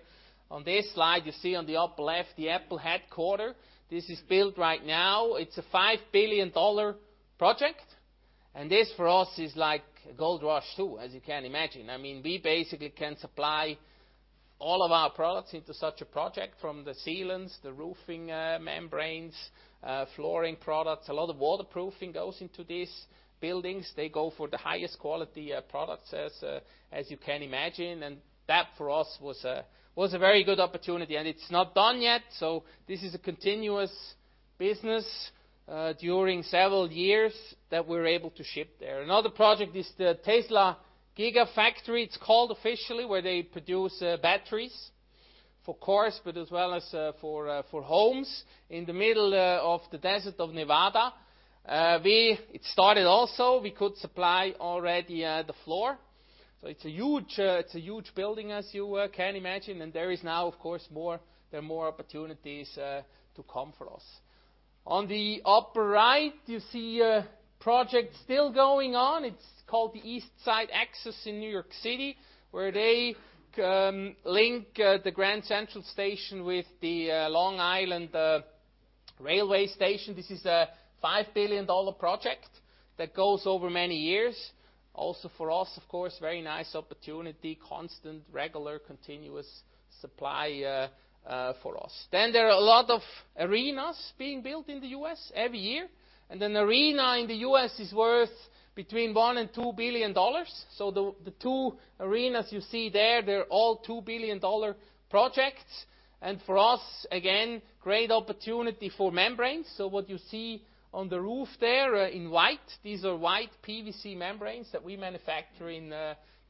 on this slide. You see on the upper left the Apple headquarter. This is built right now. It's a $5 billion project. This for us is like gold rush, too, as you can imagine. I mean, we basically can supply all of our products into such a project, from the sealants, the roofing membranes, flooring products. A lot of waterproofing goes into these buildings. They go for the highest quality products, as you can imagine. That for us was a very good opportunity. It's not done yet, so this is a continuous business during several years that we're able to ship there. Another project is the Tesla Gigafactory, it's called officially, where they produce batteries for cars, but as well as for homes in the middle of the desert of Nevada. It started also. We could supply already the floor. It's a huge building, as you can imagine, and there is now, of course, there are more opportunities to come for us. On the upper right, you see a project still going on. It's called the East Side Access in New York City, where they link the Grand Central Station with the Long Island Rail Road. This is a $5 billion project. That goes over many years. Also for us, of course, very nice opportunity. Constant, regular, continuous supply for us. There are a lot of arenas being built in the U.S. every year. An arena in the U.S. is worth between $1 billion and $2 billion. The two arenas you see there, they are all $2 billion projects. For us, again, great opportunity for membranes. What you see on the roof there in white, these are white PVC membranes that we manufacture in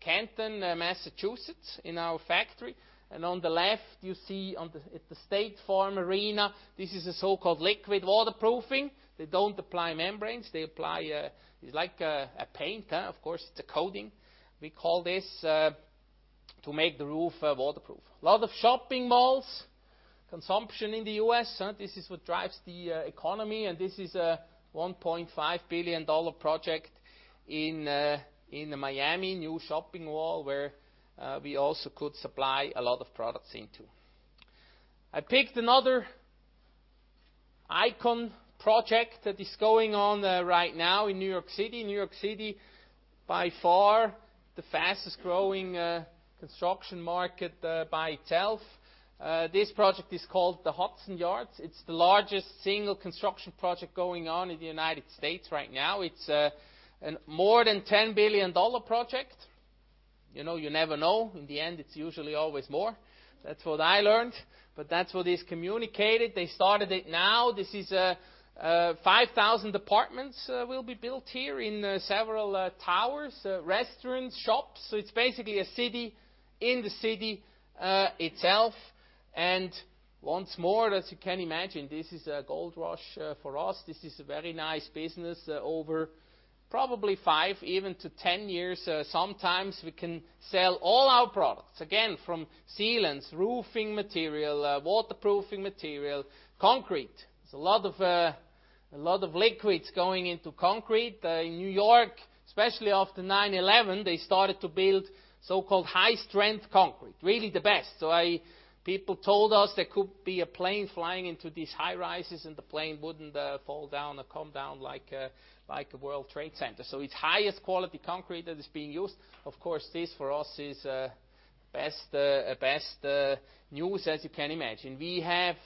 Canton, Massachusetts, in our factory. On the left, you see at the State Farm Arena, this is a so-called liquid waterproofing. They do not apply membranes. They apply, it is like a paint. Of course, it is a coating. We call this to make the roof waterproof. A lot of shopping malls. Consumption in the U.S. This is what drives the economy, this is a $1.5 billion project in Miami, new shopping mall, where we also could supply a lot of products into. I picked another icon project that is going on right now in New York City. New York City, by far the fastest-growing construction market by itself. This project is called the Hudson Yards. It is the largest single construction project going on in the United States right now. It is a more than $10 billion project. You never know. In the end, it is usually always more. That is what I learned. That is what is communicated. They started it now. 5,000 apartments will be built here in several towers, restaurants, shops. It is basically a city in the city itself. Once more, as you can imagine, this is a gold rush for us. This is a very nice business over probably five even to 10 years. Sometimes we can sell all our products, again, from sealants, roofing material, waterproofing material, concrete. There is a lot of liquids going into concrete. In New York, especially after 9/11, they started to build so-called high-strength concrete, really the best. People told us there could be a plane flying into these high-rises, and the plane would not fall down or come down like the World Trade Center. It is highest quality concrete that is being used. Of course, this for us is best news, as you can imagine. We have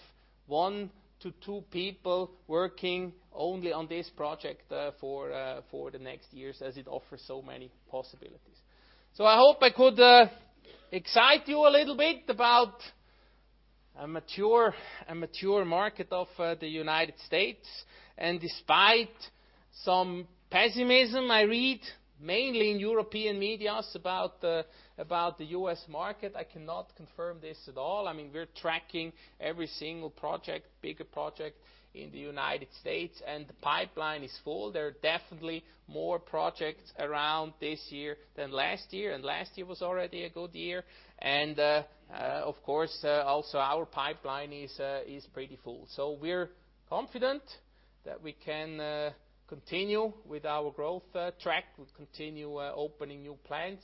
one to two people working only on this project for the next years, as it offers so many possibilities. I hope I could excite you a little bit about a mature market of the United States. Despite some pessimism I read mainly in European medias about the U.S. market, I cannot confirm this at all. We are tracking every single project, bigger project, in the United States, and the pipeline is full. There are definitely more projects around this year than last year, and last year was already a good year. Of course, also our pipeline is pretty full. We are confident that we can continue with our growth track. We will continue opening new plants,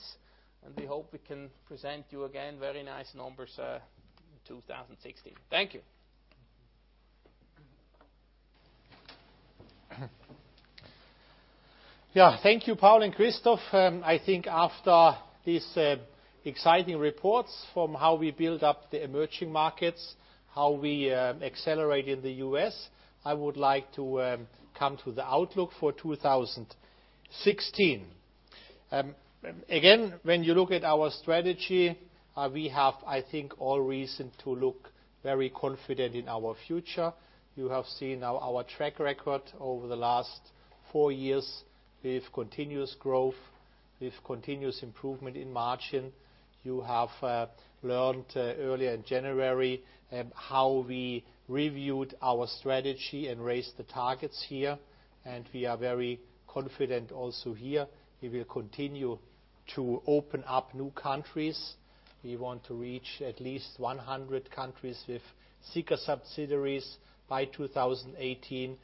and we hope we can present you again very nice numbers in 2016. Thank you. Yeah. Thank you, Paul and Christoph. I think after these exciting reports from how we build up the emerging markets, how we accelerated the U.S., I would like to come to the outlook for 2016. Again, when you look at our strategy, we have, I think, all reason to look very confident in our future. You have seen our track record over the last 4 years with continuous growth, with continuous improvement in margin. You have learned earlier in January how we reviewed our strategy and raised the targets here, and we are very confident also here. We will continue to open up new countries. We want to reach at least 100 countries with Sika subsidiaries by 2018.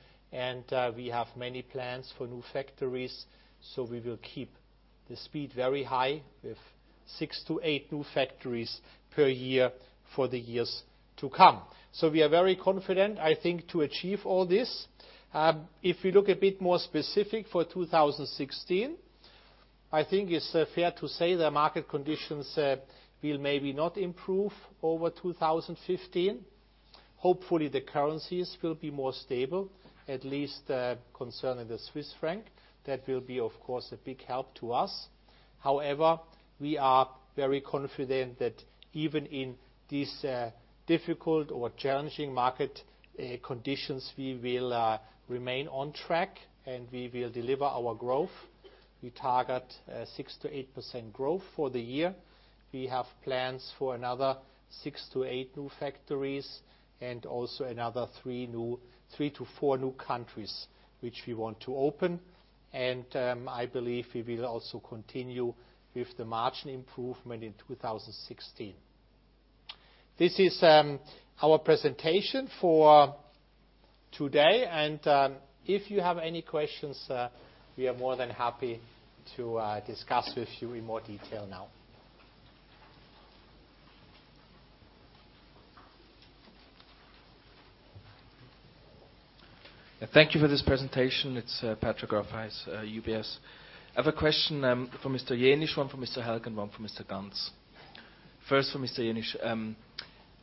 We have many plans for new factories, so we will keep the speed very high with 6-8 new factories per year for the years to come. We are very confident, I think, to achieve all this. If we look a bit more specific for 2016, I think it's fair to say the market conditions will maybe not improve over 2015. Hopefully, the currencies will be more stable, at least concerning the Swiss franc. That will be, of course, a big help to us. However, we are very confident that even in these difficult or challenging market conditions, we will remain on track, and we will deliver our growth. We target 6%-8% growth for the year. We have plans for another 6-8 new factories and also another 3-4 new countries which we want to open. I believe we will also continue with the margin improvement in 2016. This is our presentation for today. If you have any questions, we are more than happy to discuss with you in more detail now. Thank you for this presentation. It's Patrick Rafaisz, UBS. I have a question for Mr. Jenisch, one for Mr. Hälg and one for Mr. Ganz. First for Mr. Jenisch.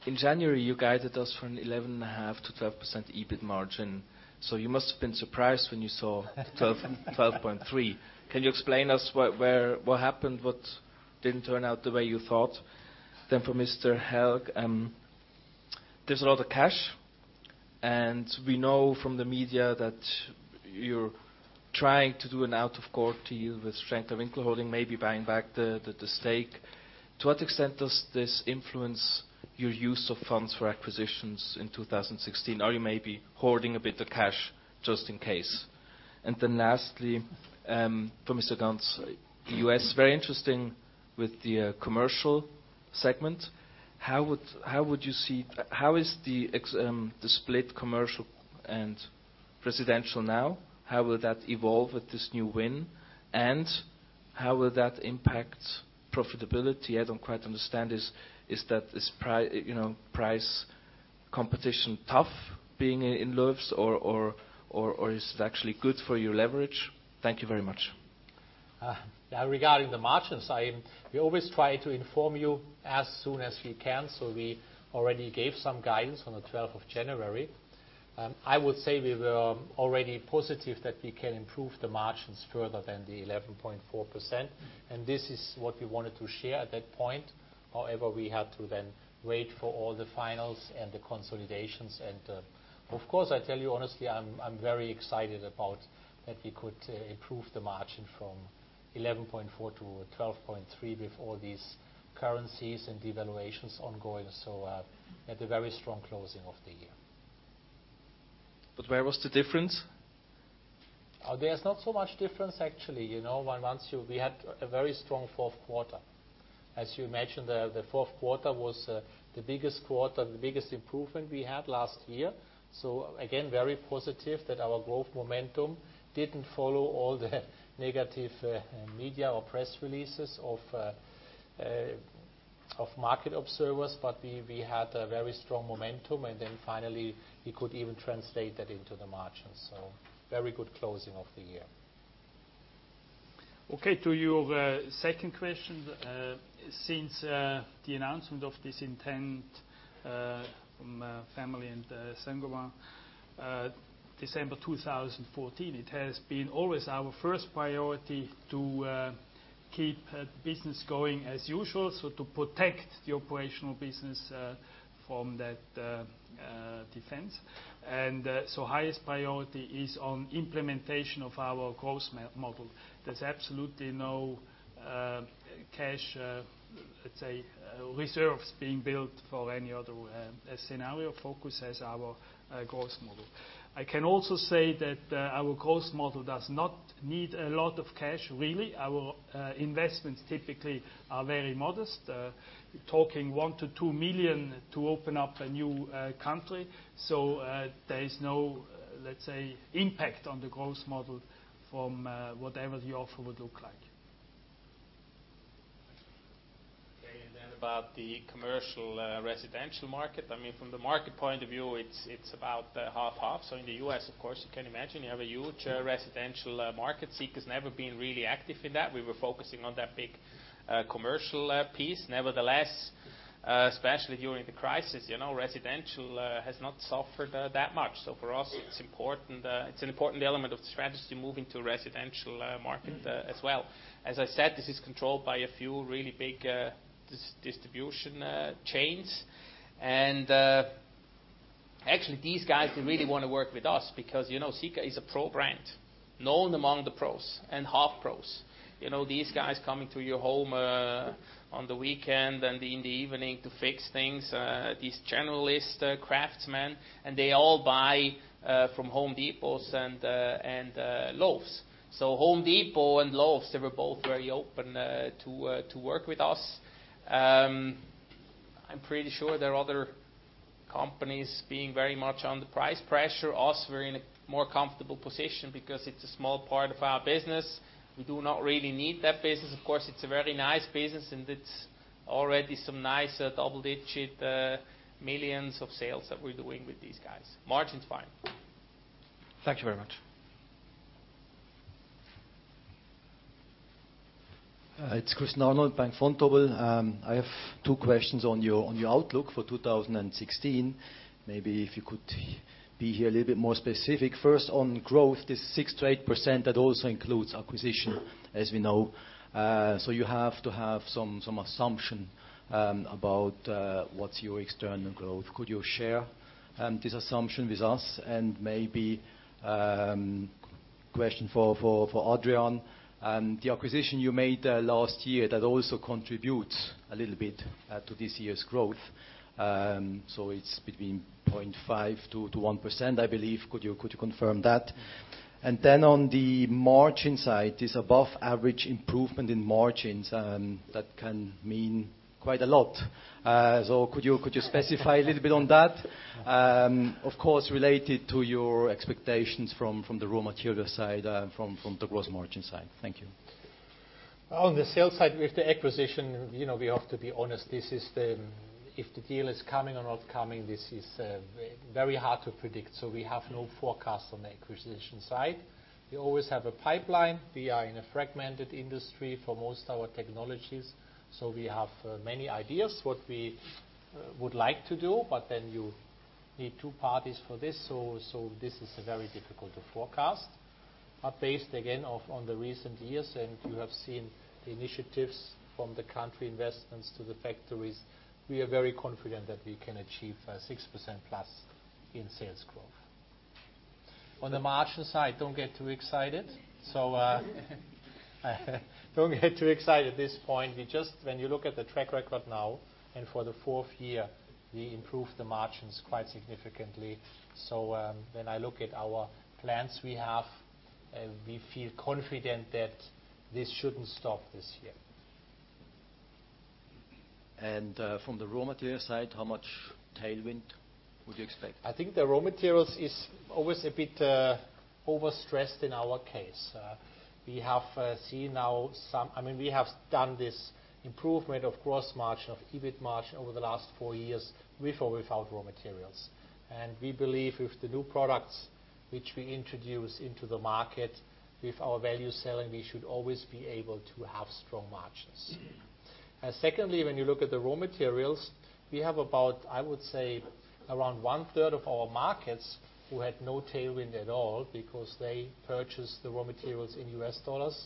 In January, you guided us for an 11.5%-12% EBIT margin, so you must have been surprised when you saw 12.3%. Can you explain to us what happened that didn't turn out the way you thought? For Mr. Hälg, there's a lot of cash, and we know from the media that you're trying to do an out of court deal with Schenker-Winkler Holding, maybe buying back the stake. To what extent does this influence your use of funds for acquisitions in 2016? Are you maybe hoarding a bit of cash just in case? Lastly, for Mr. Ganz, the U.S., very interesting with the commercial segment. How is the split commercial and residential now? How will that evolve with this new win, and how will that impact profitability? I don't quite understand. Is that price competition tough being in Lowe's or is it actually good for your leverage? Thank you very much. Regarding the margins, we always try to inform you as soon as we can. We already gave some guidance on the 12th of January. I would say we were already positive that we can improve the margins further than the 11.4%, and this is what we wanted to share at that point. We had to then wait for all the finals and the consolidations. Of course, I tell you honestly, I'm very excited that we could improve the margin from 11.4% to 12.3% with all these currencies and devaluations ongoing. We had a very strong closing of the year. Where was the difference? There's not so much difference, actually. We had a very strong fourth quarter. As you mentioned, the fourth quarter was the biggest quarter, the biggest improvement we had last year. Again, very positive that our growth momentum didn't follow all the negative media or press releases of market observers. We had a very strong momentum, and then finally we could even translate that into the margins. Very good closing of the year. To your second question. Since the announcement of this intent from family and Saint-Gobain, December 2014, it has been always our first priority to keep business going as usual. To protect the operational business from that defense. Highest priority is on implementation of our growth model. There's absolutely no cash reserves being built for any other scenario. Focus is our growth model. I can also say that our growth model does not need a lot of cash, really. Our investments typically are very modest. We're talking 1 million-2 million to open up a new country. There is no impact on the growth model from whatever the offer would look like. About the commercial residential market. From the market point of view, it's about half-half. In the U.S., of course, you can imagine you have a huge residential market. Sika's never been really active in that. We were focusing on that big commercial piece. Nevertheless, especially during the crisis, residential has not suffered that much. For us, it's an important element of the strategy moving to residential market as well. As I said, this is controlled by a few really big distribution chains. These guys, they really want to work with us because Sika is a pro brand, known among the pros and half pros. These guys coming to your home on the weekend and in the evening to fix things, these generalist craftsmen, and they all buy from The Home Depot and Lowe's. The Home Depot and Lowe's, they were both very open to work with us. I'm pretty sure there are other companies being very much under price pressure. Us, we're in a more comfortable position because it's a small part of our business. We do not really need that business. Of course, it's a very nice business, and it's already some nice double-digit millions CHF of sales that we're doing with these guys. Margin's fine. Thank you very much. Christian Arnold, Bank Vontobel. I have two questions on your outlook for 2016. Maybe if you could be here a little bit more specific. First on growth, this 6%-8%, that also includes acquisition, as we know. You have to have some assumption about what's your external growth. Could you share this assumption with us? Maybe question for Adrian, the acquisition you made last year, that also contributes a little bit to this year's growth. It's between 0.5%-1%, I believe. Could you confirm that? On the margin side, this above-average improvement in margins, that can mean quite a lot. Could you specify a little bit on that? Of course, related to your expectations from the raw material side and from the gross margin side. Thank you. On the sales side, with the acquisition, we have to be honest. If the deal is coming or not coming, this is very hard to predict. We have no forecast on the acquisition side. We always have a pipeline. We are in a fragmented industry for most our technologies. We have many ideas what we would like to do, but then you need two parties for this. This is very difficult to forecast. Based, again, on the recent years, and you have seen the initiatives from the country investments to the factories, we are very confident that we can achieve 6% plus in sales growth. On the margin side, don't get too excited. Don't get too excited at this point. When you look at the track record now, for the fourth year, we improved the margins quite significantly. When I look at our plans we have, we feel confident that this shouldn't stop this year. From the raw material side, how much tailwind would you expect? I think the raw materials is always a bit over-stressed in our case. We have done this improvement of gross margin, of EBIT margin, over the last four years, with or without raw materials. We believe with the new products which we introduce into the market, with our value selling, we should always be able to have strong margins. Secondly, when you look at the raw materials, we have about, I would say, around one-third of our markets who had no tailwind at all because they purchased the raw materials in US dollars,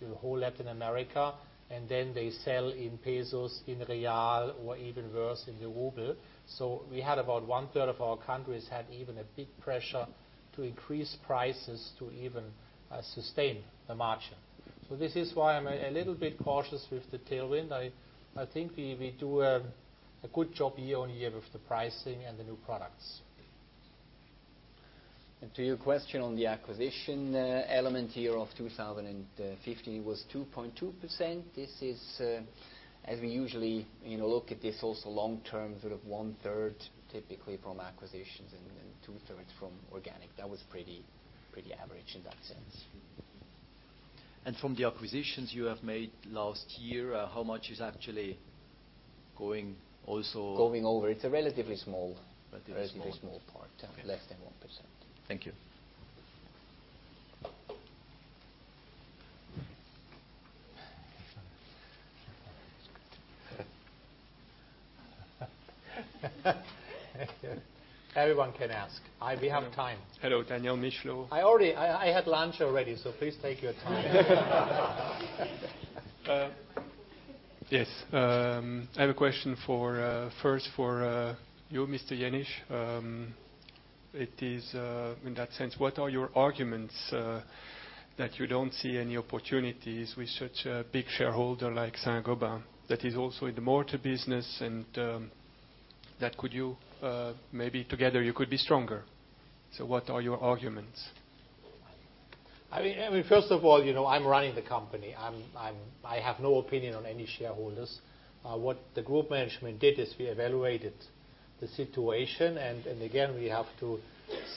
the whole Latin America, and then they sell in pesos, in real, or even worse, in the ruble. We had about one-third of our countries had even a big pressure to increase prices to even sustain the margin. This is why I'm a little bit cautious with the tailwind. I think we do a good job year-over-year with the pricing and the new products. To your question on the acquisition element year of 2015 was 2.2%. This is, as we usually look at this also long term, one-third typically from acquisitions and two-thirds from organic. That was pretty average in that sense. From the acquisitions you have made last year, how much is actually going also- Going over. Relatively small relatively small part. Less than 1%. Thank you. Everyone can ask. We have time. Hello. Daniel [Michlo]. I had lunch already, so please take your time. Yes. I have a question first for you, Mr. Jenisch. It is, in that sense, what are your arguments that you don't see any opportunities with such a big shareholder like Saint-Gobain, that is also in the mortar business, and that maybe together you could be stronger. What are your arguments? I'm running the company. I have no opinion on any shareholders. What the group management did is we evaluated the situation, and again, we have to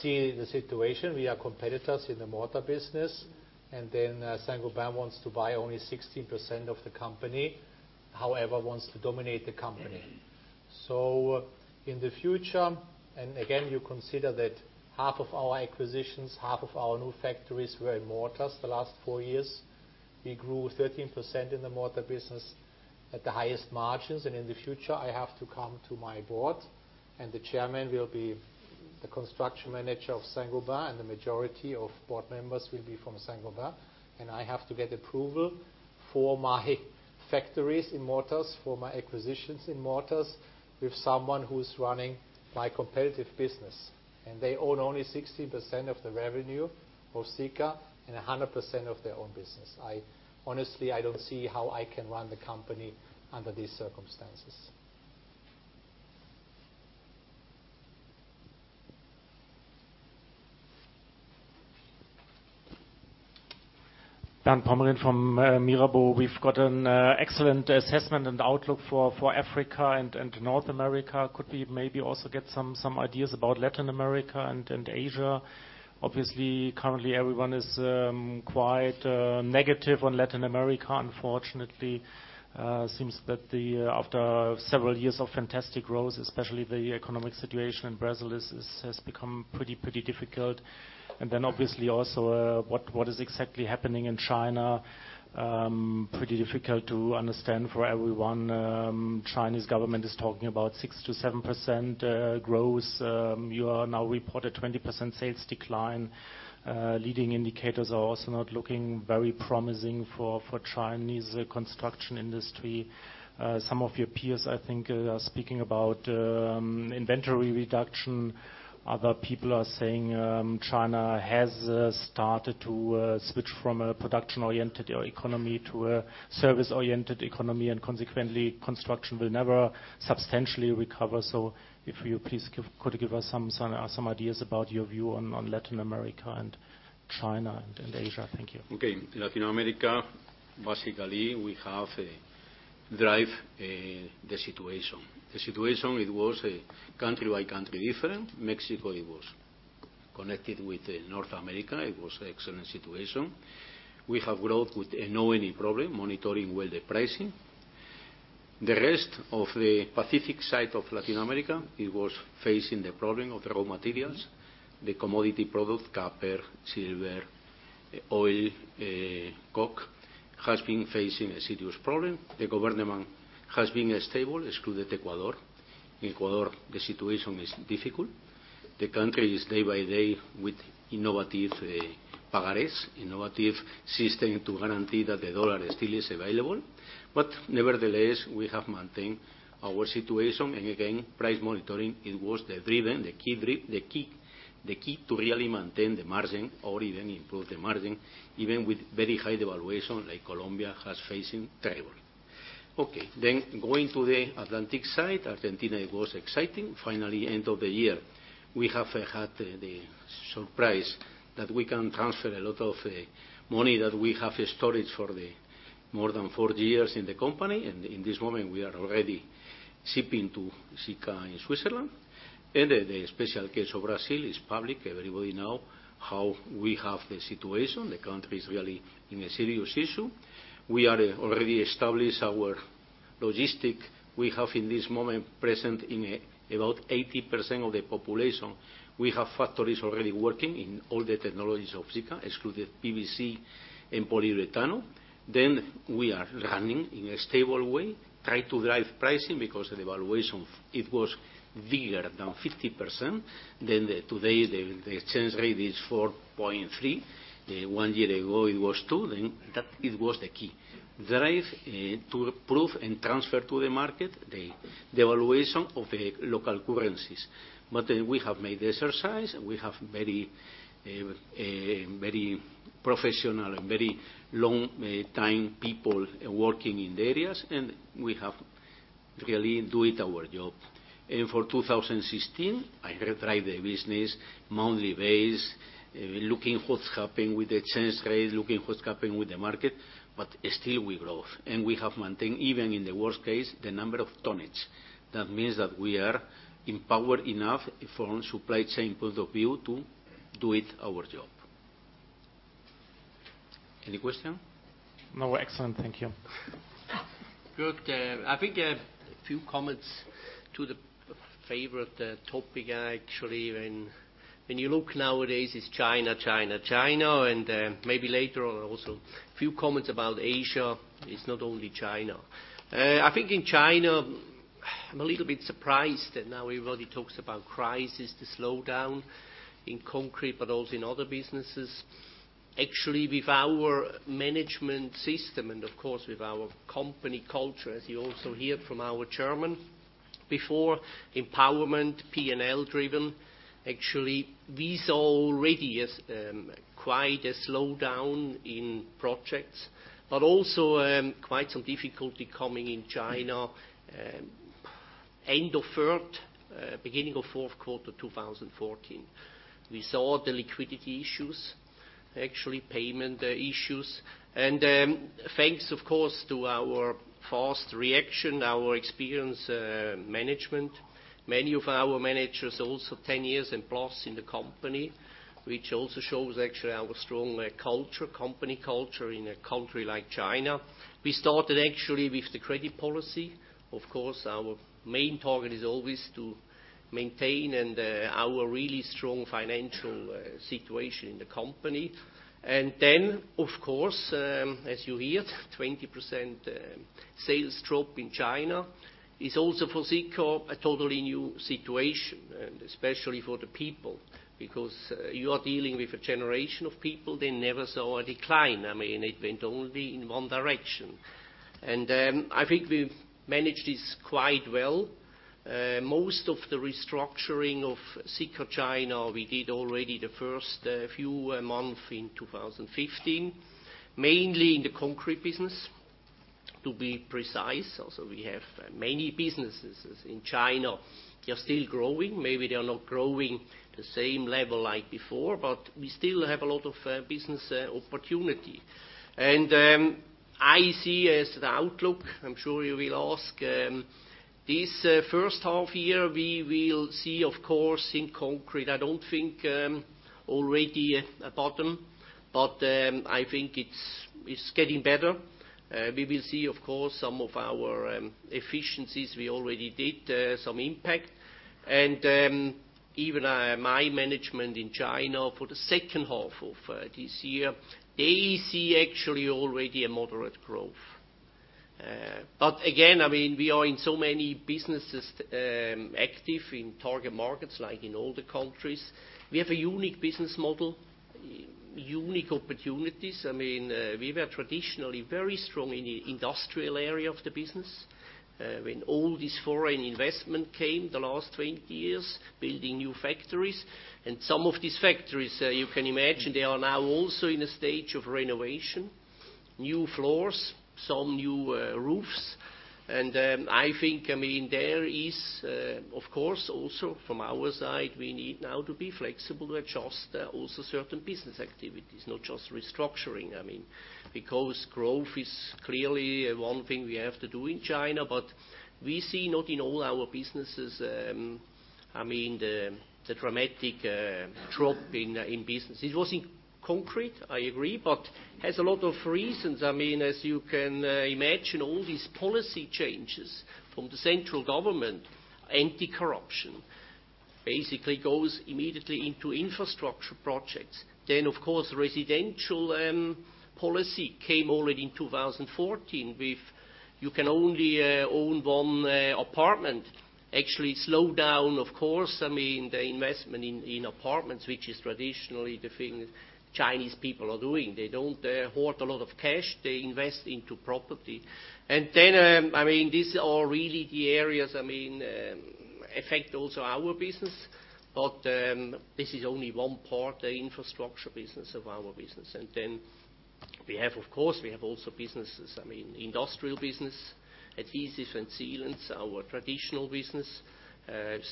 see the situation. We are competitors in the mortar business. Saint-Gobain wants to buy only 16% of the company, however, wants to dominate the company. In the future, and again, you consider that half of our acquisitions, half of our new factories were in mortars the last 4 years. We grew 13% in the mortar business at the highest margins. In the future, I have to come to my board, and the chairman will be the construction manager of Saint-Gobain, and the majority of board members will be from Saint-Gobain. I have to get approval for my factories in mortars, for my acquisitions in mortars, with someone who's running my competitive business. They own only 16% of the revenue of Sika and 100% of their own business. Honestly, I don't see how I can run the company under these circumstances. Dan Pomeroy from Mirabaud. We've got an excellent assessment and outlook for Africa and North America. Could we maybe also get some ideas about Latin America and Asia? Obviously, currently everyone is quite negative on Latin America, unfortunately. Seems that after several years of fantastic growth, especially the economic situation in Brazil, has become pretty difficult. Obviously also, what is exactly happening in China, pretty difficult to understand for everyone. Chinese government is talking about 6%-7% growth. You now reported 20% sales decline. Leading indicators are also not looking very promising for Chinese construction industry. Some of your peers, I think, are speaking about inventory reduction. Other people are saying China has started to switch from a production-oriented economy to a service-oriented economy, and consequently, construction will never substantially recover. If you please could give us some ideas about your view on Latin America and China and Asia. Thank you. Latin America, basically, we have drive the situation. The situation, it was country by country different. Mexico, connected with North America, it was excellent situation. We have growth with not any problem monitoring with the pricing. The rest of the Pacific side of Latin America, it was facing the problem of raw materials. The commodity product, copper, silver, oil, coke, has been facing a serious problem. The government has been stable, excluded Ecuador. In Ecuador, the situation is difficult. The country is day by day with innovative system to guarantee that the dollar still is available. Nevertheless, we have maintained our situation, and again, price monitoring, it was the key to really maintain the margin or even improve the margin, even with very high devaluation like Colombia has facing trouble. Going to the Atlantic side, Argentina, it was exciting. Finally, end of the year, we have had the surprise that we can transfer a lot of money that we have stored for the more than 40 years in the company. In this moment, we are already shipping to Sika in Switzerland. The special case of Brazil is public. Everybody know how we have the situation. The country is really in a serious issue. We are already established our logistic. We have in this moment present in about 80% of the population. We have factories already working in all the technologies of Sika, excluded PVC and polyurethane. We are running in a stable way, try to drive pricing because the devaluation, it was bigger than 50%. Today, the exchange rate is 4.3. One year ago it was 2. That it was the key. Drive to improve and transfer to the market the devaluation of the local currencies. We have made the exercise, and we have very professional and very long-time people working in the areas, and we have really doing our job. For 2016, I drive the business monthly base, looking what's happening with the exchange rate, looking what's happening with the market, still we grow. We have maintained, even in the worst case, the number of tonnage. That means that we are empowered enough from supply chain point of view to do it our job. Any question? No. Excellent. Thank you. Good. I think a few comments to the favorite topic. When you look nowadays, it's China, China, maybe later on also a few comments about Asia. It's not only China. I think in China, I'm a little bit surprised that now everybody talks about crisis, the slowdown in concrete, but also in other businesses. Actually, with our management system and of course with our company culture, as you also hear from our chairman before, empowerment, P&L driven. Actually, we saw already quite a slowdown in projects, but also quite some difficulty coming in China end of third, beginning of fourth quarter 2014. We saw the liquidity issues, actually payment issues. Thanks, of course, to our fast reaction, our experienced management. Many of our managers also 10 years and plus in the company, which also shows actually our strong culture, company culture in a country like China. We started actually with the credit policy. Of course, our main target is always to maintain our really strong financial situation in the company. Of course, as you hear, 20% sales drop in China is also for Sika a totally new situation, and especially for the people, because you are dealing with a generation of people, they never saw a decline. It went only in one direction. I think we've managed this quite well. Most of the restructuring of Sika China, we did already the first few months in 2015, mainly in the concrete business, to be precise. We have many businesses in China. They are still growing. Maybe they are not growing the same level like before, but we still have a lot of business opportunity. I see as the outlook, I'm sure you will ask, this first half year, we will see, of course, in concrete. I don't think already a bottom, but I think it's getting better. We will see, of course, some of our efficiencies, we already did some impact. Even my management in China for the second half of this year, they see actually already a moderate growth. Again, we are in so many businesses active in target markets like in all the countries. We have a unique business model, unique opportunities. We were traditionally very strong in the industrial area of the business. When all this foreign investment came the last 20 years, building new factories. Some of these factories, you can imagine they are now also in a stage of renovation, new floors, some new roofs. I think, there is, of course, also from our side, we need now to be flexible to adjust also certain business activities, not just restructuring. Because growth is clearly one thing we have to do in China, but we see not in all our businesses the dramatic drop in business. It was in concrete, I agree, but has a lot of reasons. As you can imagine, all these policy changes from the central government, anti-corruption Basically goes immediately into infrastructure projects. Of course, residential policy came already in 2014 with you can only own one apartment. Actually, it slowed down, of course, the investment in apartments, which is traditionally the thing Chinese people are doing. They don't hoard a lot of cash. They invest into property. These are really the areas, affect also our business. This is only one part, the infrastructure business of our business. We have, of course, we have also businesses. Industrial business, adhesives and sealants, our traditional business,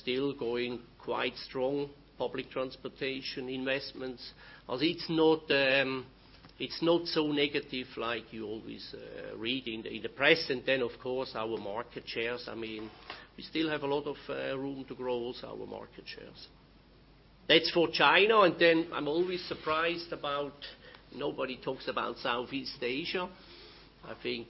still going quite strong. Public transportation investments. Although it's not so negative like you always read in the press. Of course, our market shares. We still have a lot of room to grow also our market shares. That's for China. I'm always surprised about nobody talks about Southeast Asia. I think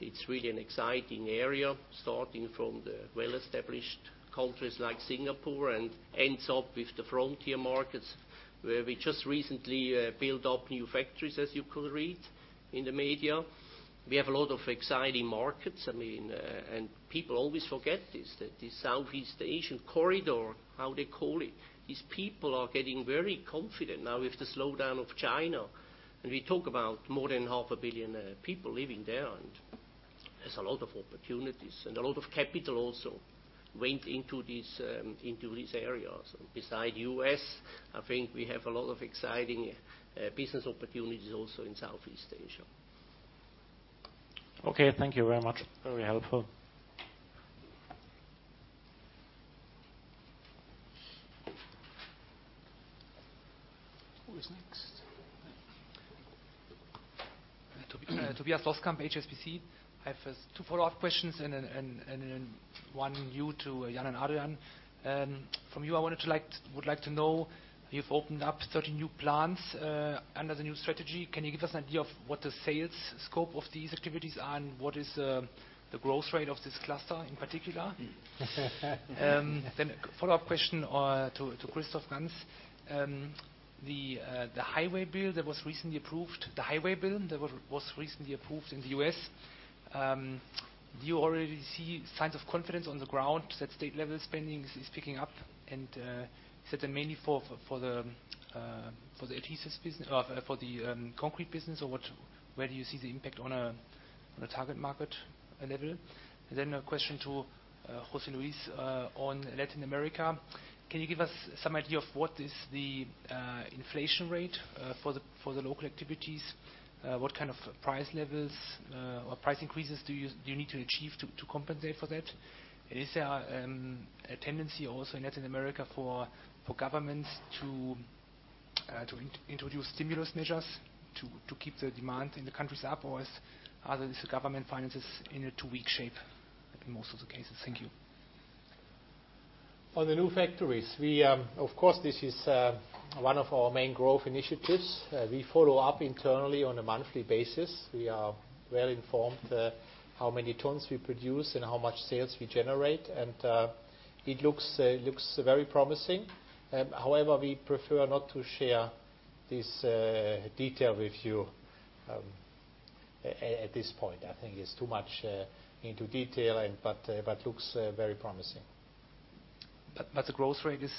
it's really an exciting area, starting from the well-established countries like Singapore and ends up with the frontier markets where we just recently built up new factories, as you could read in the media. We have a lot of exciting markets. People always forget this, that the Southeast Asian corridor, how they call it, these people are getting very confident now with the slowdown of China. We talk about more than half a billion people living there, and there's a lot of opportunities. A lot of capital also went into these areas. Beside U.S., I think we have a lot of exciting business opportunities also in Southeast Asia. Okay. Thank you very much. Very helpful. Who is next? Tobias Doskamp, HSBC. I have two follow-up questions and one you to Jan and Adrian. From you, I would like to know, you've opened up 30 new plants under the new strategy. Can you give us an idea of what the sales scope of these activities are and what is the growth rate of this cluster in particular? A follow-up question to Christoph Ganz. The highway bill that was recently approved in the U.S., do you already see signs of confidence on the ground that state level spending is picking up and is that mainly for the concrete business, or where do you see the impact on a target market level? A question to José Luis on Latin America. Can you give us some idea of what is the inflation rate for the local activities? What kind of price levels or price increases do you need to achieve to compensate for that? Is there a tendency also in Latin America for governments to introduce stimulus measures to keep the demand in the countries up, or are these government finances in a too weak shape in most of the cases? Thank you. On the new factories, of course, this is one of our main growth initiatives. We follow up internally on a monthly basis. We are well-informed how many tons we produce and how much sales we generate. It looks very promising. However, we prefer not to share this detail with you at this point. I think it's too much into detail, looks very promising. The growth rate is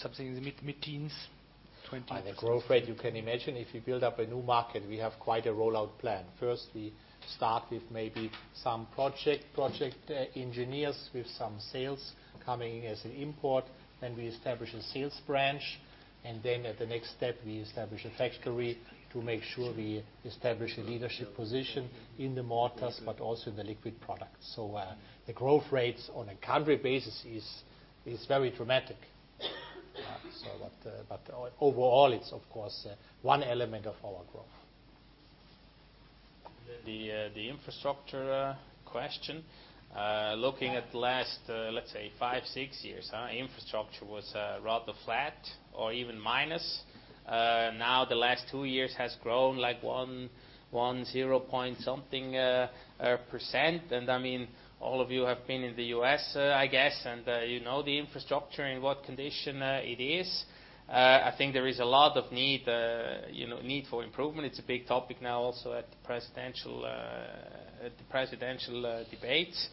something in the mid-teens, 20%? The growth rate, you can imagine, if you build up a new market, we have quite a rollout plan. First, we start with maybe some project engineers with some sales coming as an import, then we establish a sales branch, and then at the next step, we establish a factory to make sure we establish a leadership position in the mortars, but also in the liquid products. The growth rates on a country basis is very dramatic. Overall, it's of course one element of our growth. The infrastructure question. Looking at the last, let's say five, six years, infrastructure was rather flat or even minus. Now, the last two years has grown like 1.0-something percent. All of you have been in the U.S., I guess, and you know the infrastructure in what condition it is. I think there is a lot of need for improvement. It's a big topic now also at the presidential debates.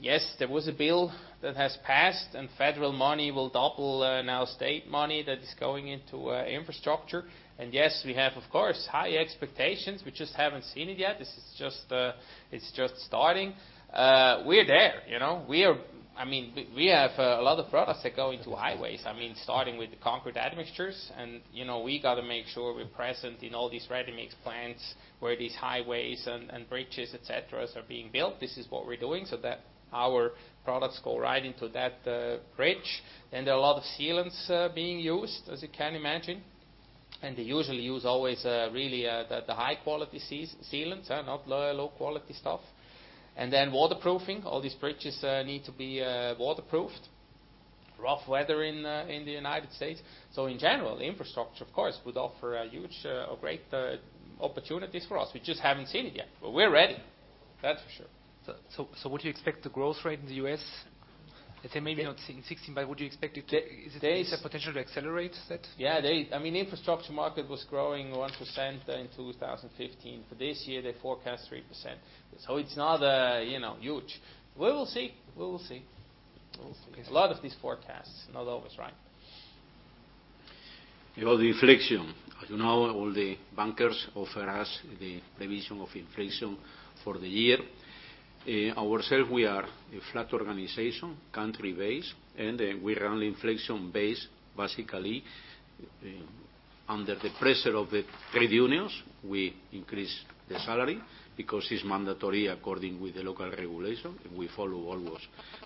Yes, there was a bill that has passed, and federal money will double now state money that is going into infrastructure. Yes, we have, of course, high expectations. We just haven't seen it yet. It's just starting. We're there. We have a lot of products that go into highways. Starting with the concrete admixtures, we got to make sure we're present in all these ready-mix plants where these highways and bridges, et cetera, are being built. This is what we're doing, so that our products go right into that bridge. There are a lot of sealants being used, as you can imagine, and they usually use always really the high-quality sealants, not low-quality stuff. Then waterproofing. All these bridges need to be waterproofed. Rough weather in the United States. In general, infrastructure, of course, would offer huge or great opportunities for us. We just haven't seen it yet, but we're ready. That's for sure. Would you expect the growth rate in the U.S., let's say maybe not in 2016, but is there potential to accelerate that? Yeah. Infrastructure market was growing 1% in 2015. For this year, they forecast 3%. It's not huge. We will see. A lot of these forecasts, not always right. About inflation. As you know, all the bankers offer us the revision of inflation for the year. Ourself, we are a flat organization, country-based, we run inflation based basically under the pressure of the trade unions. We increase the salary because it's mandatory according with the local regulation. We follow always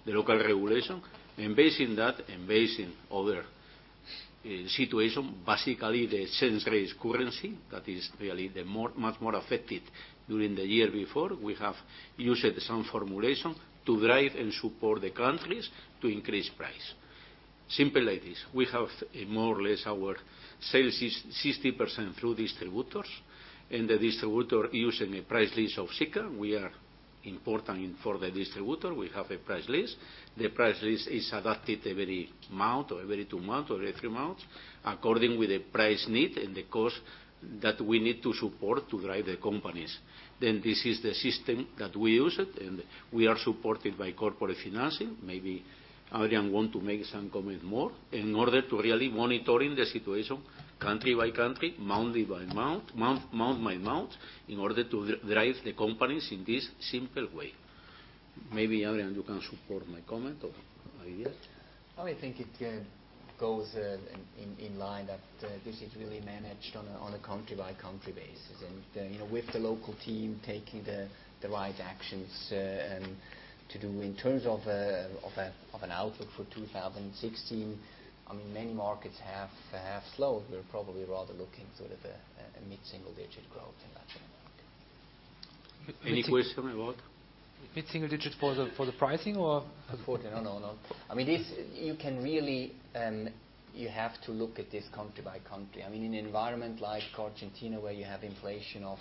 the local regulation. Based on that and based on other situation, basically the exchange rates currency, that is really the much more affected during the year before. We have used some formulation to drive and support the countries to increase price. Simple like this. We have more or less our sales is 60% through distributors, the distributor using a price list of Sika. We are important for the distributor. We have a price list. The price list is adapted every month or every two months or every three months according with the price need and the cost that we need to support to drive the companies. This is the system that we use it, we are supported by corporate financing. Maybe Adrian want to make some comment more. In order to really monitoring the situation country by country, month by month, in order to drive the companies in this simple way. Maybe, Adrian, you can support my comment or idea. I think it goes in line that this is really managed on a country-by-country basis. With the local team taking the right actions to do. In terms of an outlook for 2016, many markets have slowed. We're probably rather looking sort of a mid-single-digit growth in Latin America. Any question about? Mid-single digits for the pricing? No. You have to look at this country by country. In an environment like Argentina where you have inflation of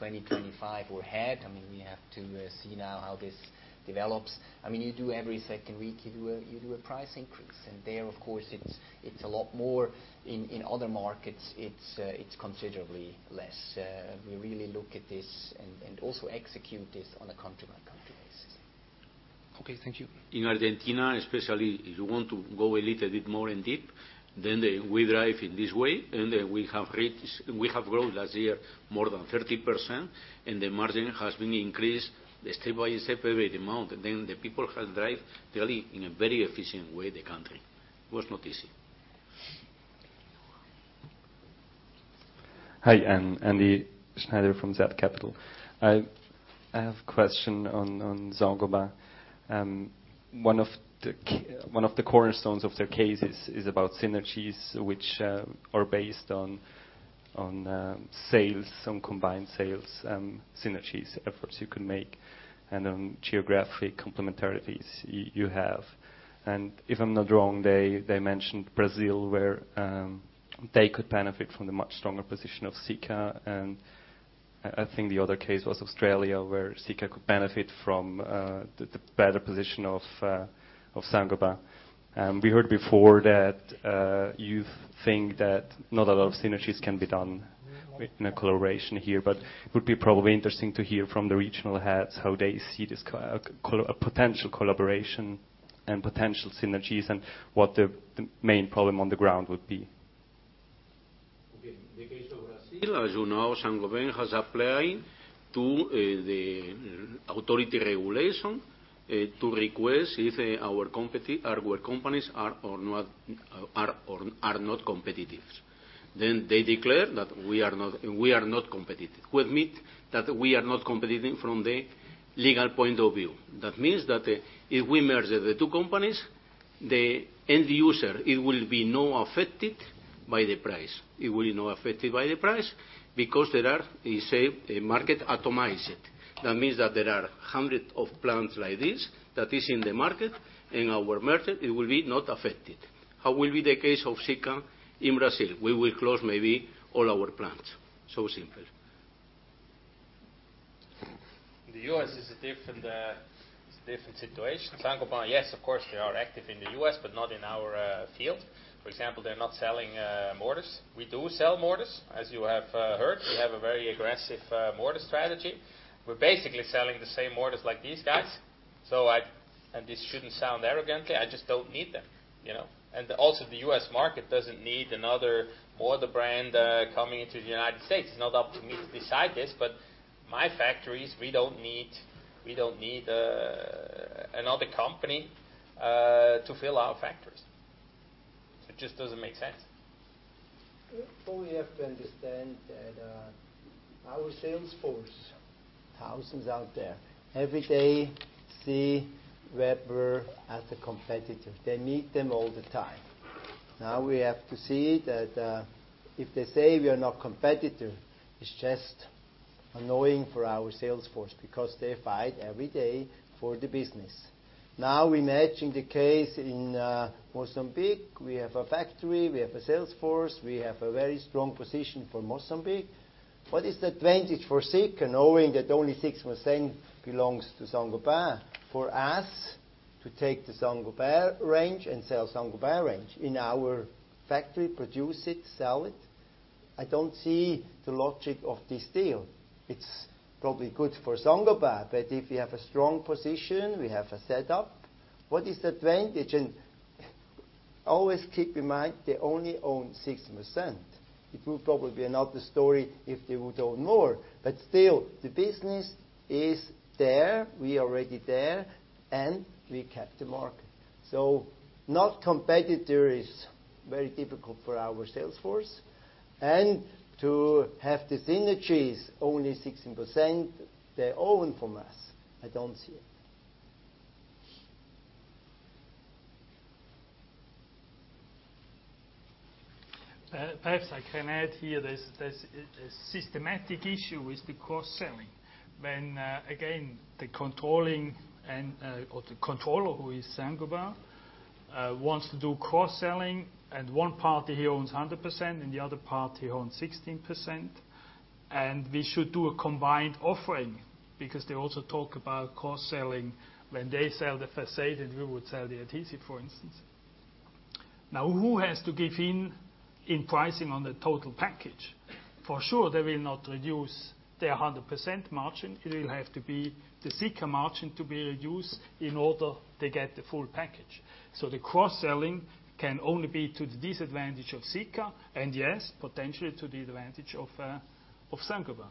20%, 25% or ahead, we have to see now how this develops. You do every second week, you do a price increase. There, of course, it's a lot more. In other markets, it's considerably less. We really look at this and also execute this on a country-by-country basis. Okay. Thank you. In Argentina, especially, if you want to go a little bit more in depth, we drive in this way, we have growth last year more than 30%, and the margin has been increased step by step every month. The people have driven really in a very efficient way the country. It was not easy. Hi, Andy Schneider from Z Capital. I have a question on Saint-Gobain. One of the cornerstones of their case is about synergies which are based on sales, some combined sales synergies, efforts you can make, and geographic complementarities you have. If I am not wrong, they mentioned Brazil, where they could benefit from the much stronger position of Sika. I think the other case was Australia, where Sika could benefit from the better position of Saint-Gobain. We heard before that you think that not a lot of synergies can be done with a collaboration here, but it would be probably interesting to hear from the regional heads how they see this potential collaboration and potential synergies and what the main problem on the ground would be. Okay. The case of Brazil, as you know, Saint-Gobain has applied to the authority regulation to request if our companies are or are not competitive. They declare that we are not competitive. We admit that we are not competitive from the legal point of view. That means that if we merge the two companies, the end user will not be affected by the price. It will not be affected by the price because there is an atomized market. That means that there are hundreds of plants like this that are in the market. Our merger will not be affected. How will the case of Sika be in Brazil? We will close maybe all our plants. It is so simple. The U.S. is a different situation. Saint-Gobain, yes, of course, they are active in the U.S., but not in our field. For example, they are not selling mortars. We do sell mortars, as you have heard. We have a very aggressive mortar strategy. We are basically selling the same mortars like these guys. This shouldn't sound arrogant, I just don't need them. Also, the U.S. market doesn't need another mortar brand coming into the United States. It's not up to me to decide this, but my factories, we don't need another company to fill our factories. It just doesn't make sense. We have to understand that our sales force, thousands out there, every day see Weber as a competitor. They meet them all the time. We have to see that if they say we are not competitor, it's just annoying for our sales force because they fight every day for the business. We imagine the case in Mozambique. We have a factory, we have a sales force, we have a very strong position for Mozambique. What is the advantage for Sika, knowing that only 16% belongs to Saint-Gobain? For us to take the Saint-Gobain range and sell Saint-Gobain range in our factory, produce it, sell it. I don't see the logic of this deal. It's probably good for Saint-Gobain, but if we have a strong position, we have a setup. What is the advantage? Always keep in mind, they only own 16%. It will probably be another story if they would own more. Still, the business is there. We are already there, and we kept the market. Not competitor is very difficult for our sales force and to have the synergies, only 16% they own from us, I don't see it. Perhaps I can add here, there's a systematic issue with the cross-selling. When, again, the controlling or the controller who is Saint-Gobain, wants to do cross-selling, and one party here owns 100% and the other party owns 16%. We should do a combined offering because they also talk about cross-selling when they sell the façade, and we would sell the adhesive, for instance. Now, who has to give in pricing on the total package? For sure, they will not reduce their 100% margin. It will have to be the Sika margin to be reduced in order to get the full package. The cross-selling can only be to the disadvantage of Sika and yes, potentially to the advantage of Saint-Gobain.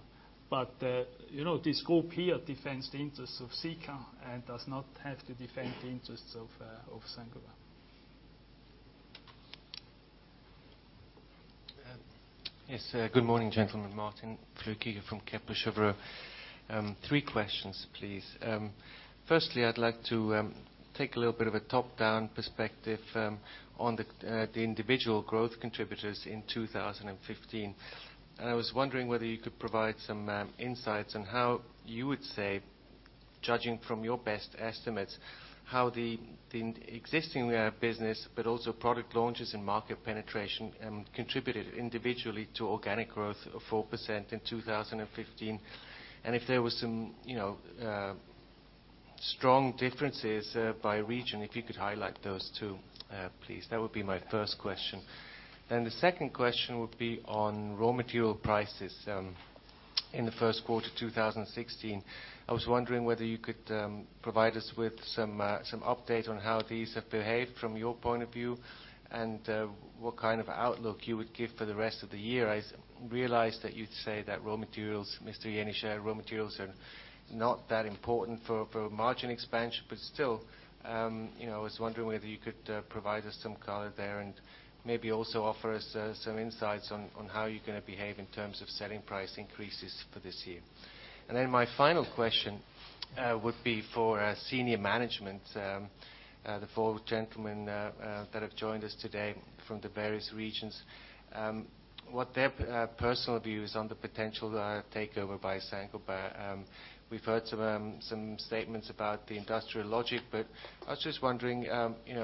This group here defends the interests of Sika and does not have to defend the interests of Saint-Gobain. Yes. Good morning, gentlemen. Martin Flückiger from Kepler Cheuvreux. Three questions, please. Firstly, I'd like to take a little bit of a top-down perspective on the individual growth contributors in 2015. I was wondering whether you could provide some insights on how you would say, judging from your best estimates, how the existing business, but also product launches and market penetration contributed individually to organic growth of 4% in 2015. If there were some strong differences by region, if you could highlight those too, please. That would be my first question. The second question would be on raw material prices in the first quarter 2016. I was wondering whether you could provide us with some update on how these have behaved from your point of view and what kind of outlook you would give for the rest of the year. I realize that you'd say that raw materials, Mr. Jenisch, raw materials are not that important for margin expansion. Still, I was wondering whether you could provide us some color there and maybe also offer us some insights on how you're going to behave in terms of selling price increases for this year. Then my final question would be for senior management, the four gentlemen that have joined us today from the various regions. What their personal view is on the potential takeover by Saint-Gobain. We've heard some statements about the industrial logic, I was just wondering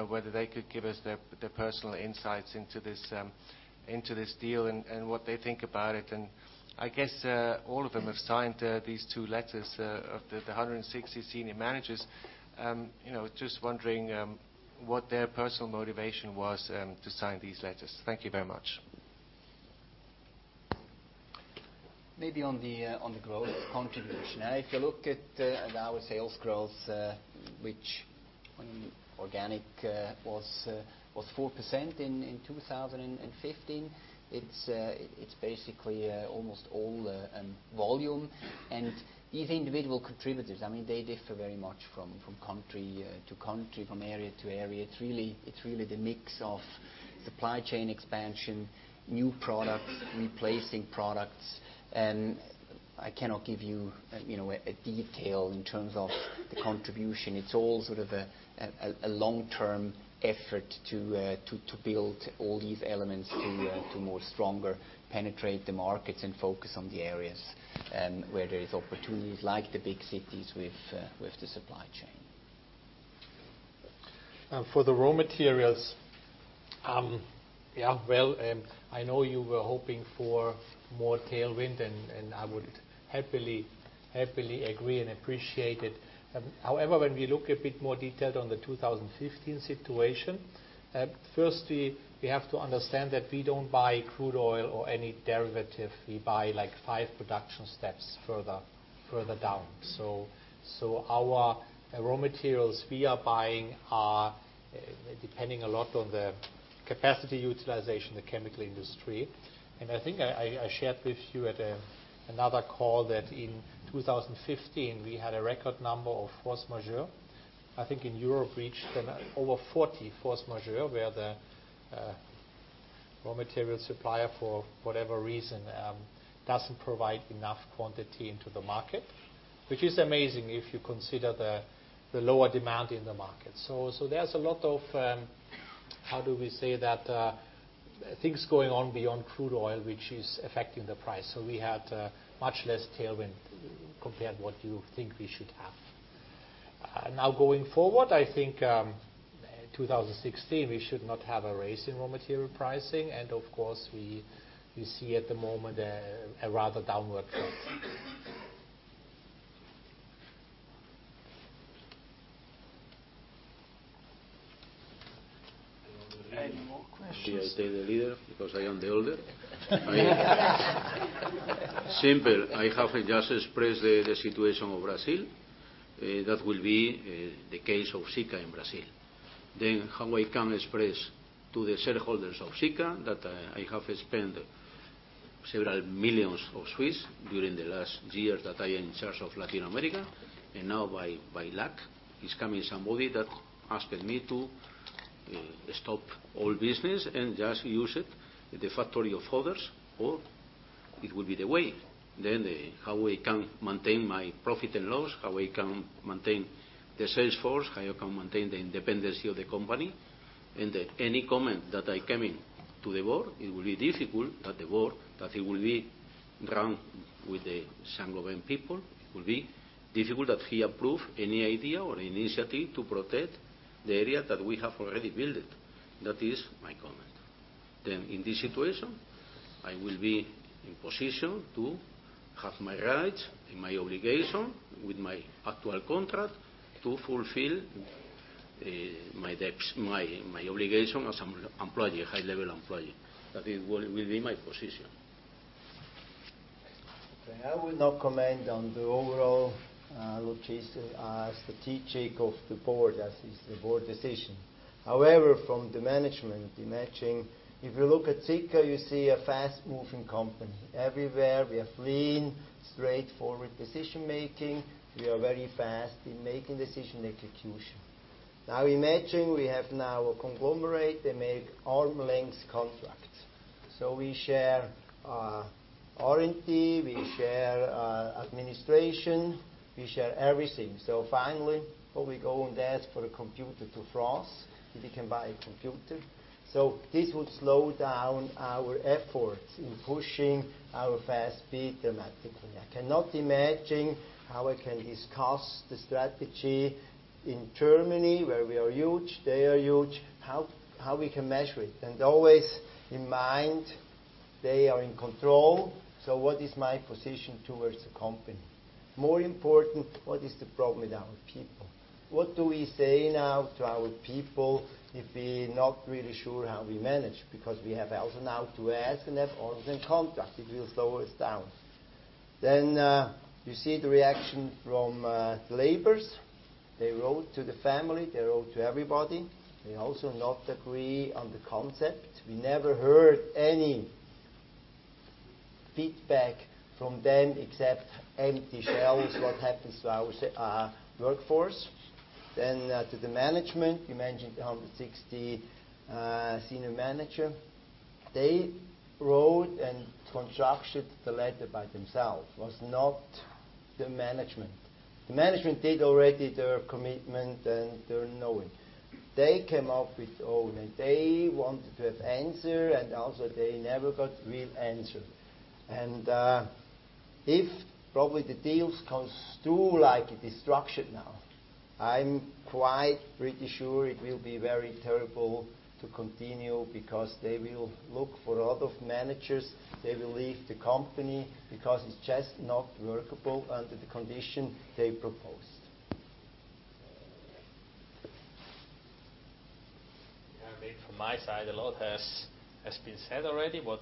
whether they could give us their personal insights into this deal and what they think about it. I guess all of them have signed these two letters of the 160 senior managers. Just wondering what their personal motivation was to sign these letters. Thank you very much. Maybe on the growth contribution. If you look at our sales growth, which organic was 4% in 2015. It's basically almost all volume. These individual contributors, they differ very much from country to country, from area to area. It's really the mix of supply chain expansion, new products, replacing products, I cannot give you a detail in terms of the contribution. It's all sort of a long-term effort to build all these elements to more stronger penetrate the markets and focus on the areas where there is opportunities like the big cities with the supply chain. For the raw materials. Well, I know you were hoping for more tailwind, I would happily agree and appreciate it. However, when we look a bit more detailed on the 2015 situation. Firstly, we have to understand that we don't buy crude oil or any derivative. We buy five production steps further down. Our raw materials we are buying are depending a lot on the capacity utilization, the chemical industry. I think I shared with you at another call that in 2015, we had a record number of force majeure. I think in Europe reached over 40 force majeure, where the raw material supplier for whatever reason, doesn't provide enough quantity into the market. Which is amazing if you consider the lower demand in the market. There's a lot of- How do we say that things going on beyond crude oil, which is affecting the price? We had much less tailwind compared what you think we should have. Now, going forward, I think 2016, we should not have a raise in raw material pricing. Of course, we see at the moment a rather downward trend. Any more questions? Should I take the lead because I am the older? Simple. I have just expressed the situation of Brazil. That will be the case of Sika in Brazil. How I can express to the shareholders of Sika that I have spent several millions of CHF during the last year that I am in charge of Latin America, and now by luck is coming somebody that asking me to stop all business and just use it the factory of others, or it will be the way. How I can maintain my profit and loss, how I can maintain the sales force, how I can maintain the independency of the company. Any comment that I come in to the board, it will be difficult at the board, that it will be run with the Saint-Gobain people. It will be difficult that he approve any idea or initiative to protect the area that we have already built. That is my comment. In this situation, I will be in position to have my rights and my obligation with my actual contract to fulfill my obligation as employee, a high-level employee. That will be my position. Okay, I will not comment on the overall logistic strategic of the board, as is the board decision. However, from the management, imagine if you look at Sika, you see a fast-moving company. Everywhere we have lean, straightforward decision-making. We are very fast in making decision execution. Now imagine we have now a conglomerate that make arm's length contracts. We share R&D, we share administration, we share everything. Finally, what we go and ask for a computer to France, if we can buy a computer. This would slow down our efforts in pushing our fast speed dramatically. I cannot imagine how I can discuss the strategy in Germany, where we are huge, they are huge, how we can measure it. Always in mind they are in control, so what is my position towards the company? More important, what is the problem with our people? What do we say now to our people if we not really sure how we manage? We have also now to ask and have arm's length contract. It will slow us down. You see the reaction from labors. They wrote to the family. They wrote to everybody. They also not agree on the concept. We never heard any feedback from them except empty shells. What happens to our workforce? To the management, you mentioned the 160 senior manager. They wrote and constructed the letter by themselves. It was not the management. The management did already their commitment and their knowing. They came up with own, and they wanted to have answer, and also they never got real answer. If probably the deals comes through like it is structured now, I'm quite pretty sure it will be very terrible to continue because they will look for other managers. They will leave the company because it's just not workable under the condition they proposed. I mean, from my side, a lot has been said already. What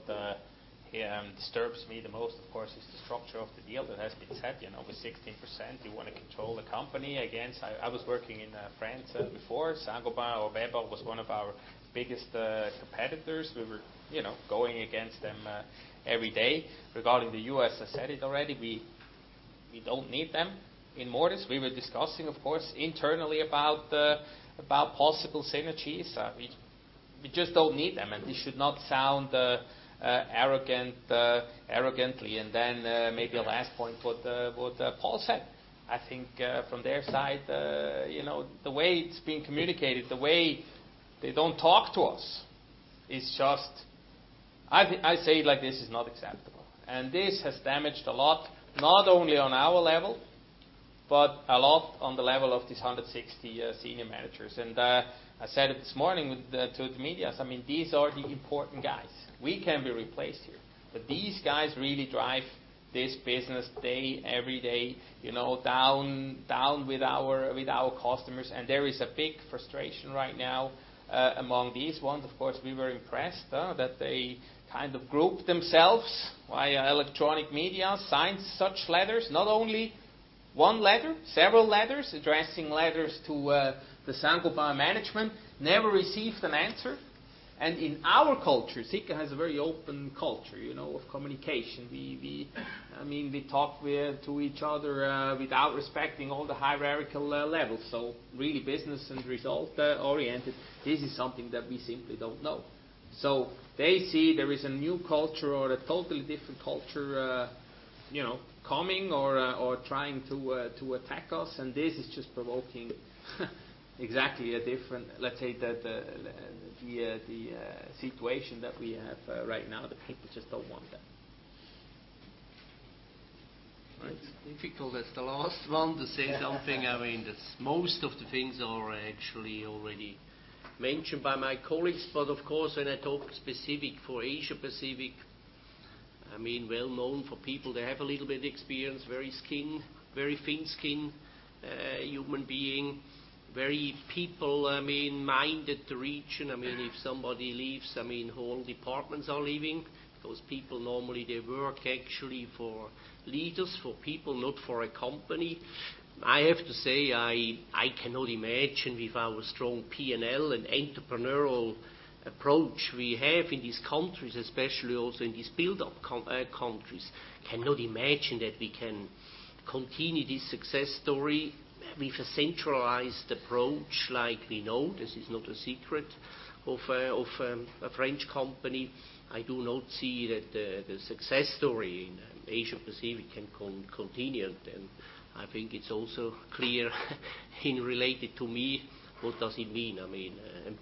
disturbs me the most, of course, is the structure of the deal that has been set. Over 60%, you want to control the company. Again, I was working in France before. Saint-Gobain or Weber was one of our biggest competitors. We were going against them every day. Regarding the U.S., I said it already, we don't need them in mortars. We were discussing, of course, internally about possible synergies. We just don't need them, and we should not sound arrogantly. Maybe a last point, what Paul said. I think from their side, the way it's being communicated, the way they don't talk to us is just I say it like this, is not acceptable. This has damaged a lot, not only on our level, but a lot on the level of these 160 senior managers. I said it this morning to the medias, these are the important guys. We can be replaced here, but these guys really drive this business every day, down with our customers. There is a big frustration right now among these ones. Of course, we were impressed, that they kind of grouped themselves via electronic media, signed such letters. Not only one letter, several letters, addressing letters to the Saint-Gobain management. Never received an answer. In our culture, Sika has a very open culture of communication. We talk to each other without respecting all the hierarchical levels. Really business and result-oriented. This is something that we simply don't know. They see there is a new culture or a totally different culture coming or trying to attack us. This is just provoking exactly a different, let's say, the situation that we have right now. The people just don't want that. It's difficult as the last one to say something. Most of the things are actually already mentioned by my colleagues. Of course, when I talk specific for Asia Pacific, well known for people to have a little bit experience, very thin-skinned human being, very people-minded region. If somebody leaves, whole departments are leaving. Those people, normally, they work actually for leaders, for people, not for a company. I have to say, I cannot imagine with our strong P&L and entrepreneurial approach we have in these countries, especially also in these build-up countries. I cannot imagine that we can continue this success story with a centralized approach like we know. This is not a secret of a French company. I do not see that the success story in Asia Pacific can continue. I think it's also clear in related to me, what does it mean?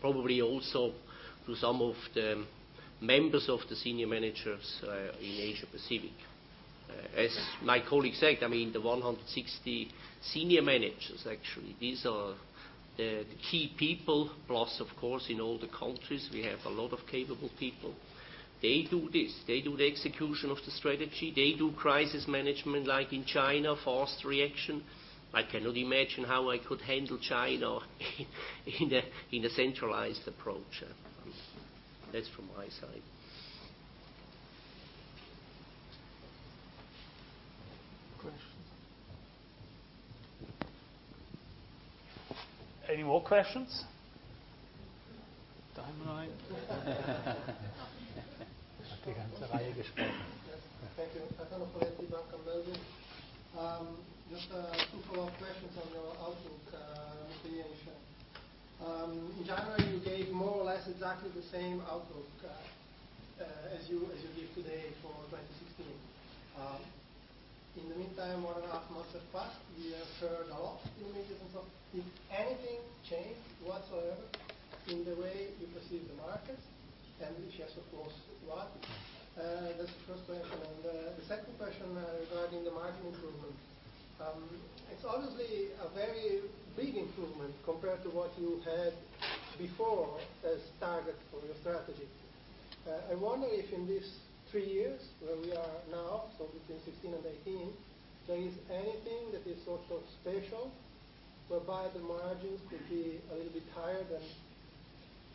Probably also to some of the members of the senior managers in Asia Pacific. As my colleague said, the 160 senior managers, actually, these are the key people. Plus, of course, in all the countries, we have a lot of capable people. They do this. They do the execution of the strategy. They do crisis management like in China, fast reaction. I cannot imagine how I could handle China in a centralized approach. That's from my side. Questions? Any more questions? Timeline? Thank you. Just two follow-up questions on your outlook for Asia. In January, you gave more or less exactly the same outlook as you give today for 2016. In the meantime, one and a half months have passed. We have heard a lot in the region. If anything changed whatsoever in the way you perceive the market, and if yes, of course, what? That's the first question. The second question regarding the margin improvement. It's obviously a very big improvement compared to what you had before as target for your Strategy. I wonder if in these three years where we are now, between 2016 and 2018, there is anything that is also special whereby the margins could be a little bit higher than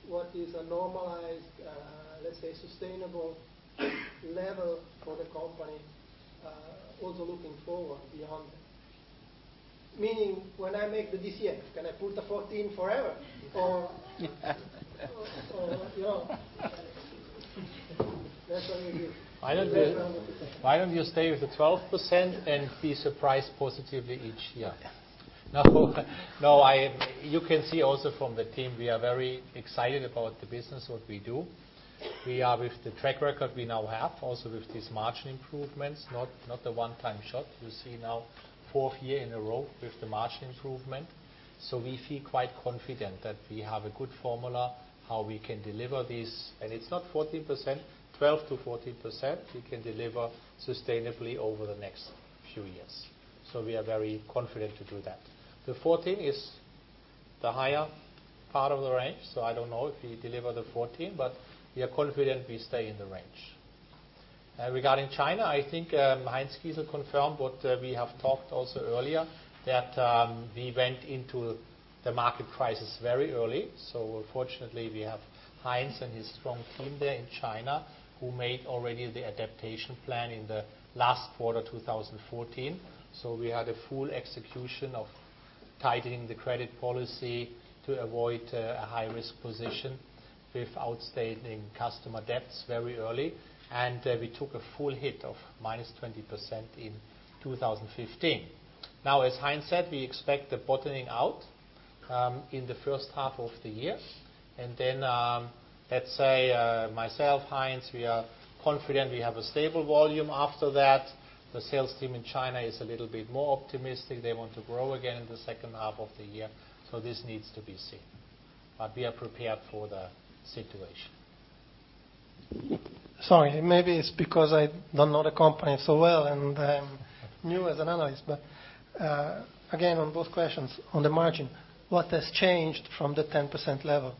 what is a normalized, let's say, sustainable level for the company, also looking forward beyond. Meaning when I make the DCF, can I put the 14 forever or no? That's what we hear. Why don't you stay with the 12% and be surprised positively each year? No. You can see also from the team, we are very excited about the business, what we do. With the track record we now have, also with these margin improvements, not a one-time shot. You see now fourth year in a row with the margin improvement. We feel quite confident that we have a good formula how we can deliver this. It's not 14%, 12%-14% we can deliver sustainably over the next few years. We are very confident to do that. The 14 is the higher part of the range, I don't know if we deliver the 14, but we are confident we stay in the range. Regarding China, I think Heinz Kissel confirmed what we have talked also earlier, that we went into the market crisis very early. Fortunately, we have Heinz and his strong team there in China, who made already the adaptation plan in the last quarter 2014. We had a full execution of tightening the credit policy to avoid a high-risk position with outstanding customer debts very early. We took a full hit of -20% in 2015. Now, as Heinz said, we expect the bottoming out in the first half of the year. Then, let's say, myself, Heinz, we are confident we have a stable volume after that. The sales team in China is a little bit more optimistic. They want to grow again in the second half of the year. This needs to be seen. We are prepared for the situation. Sorry. Maybe it's because I don't know the company so well, and I'm new as an analyst. Again, on both questions on the margin, what has changed from the 10% level?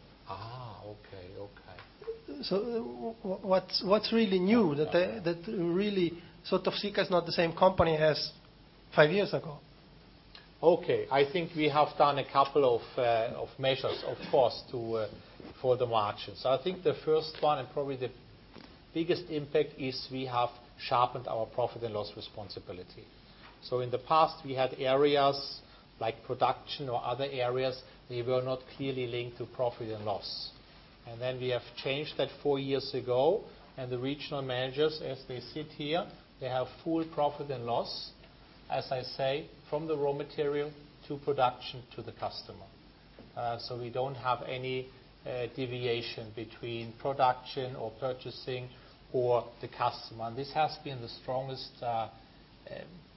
Okay. What's really new that really Sika is not the same company as five years ago? Okay. I think we have done a couple of measures, of course, for the margins. I think the first one and probably the biggest impact is we have sharpened our profit and loss responsibility. In the past we had areas like production or other areas, they were not clearly linked to profit and loss. We have changed that four years ago. The regional managers, as they sit here, they have full profit and loss. As I say, from the raw material to production to the customer. We don't have any deviation between production or purchasing or the customer. This has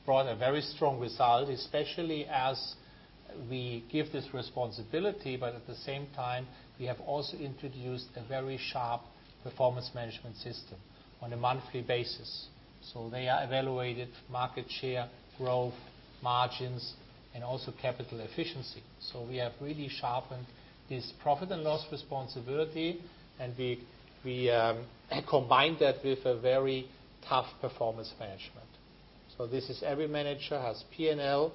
brought a very strong result, especially as we give this responsibility, but at the same time, we have also introduced a very sharp performance management system on a monthly basis. They are evaluated market share, growth, margins, and also capital efficiency. We have really sharpened this profit and loss responsibility, and we combine that with a very tough performance management. This is every manager has P&L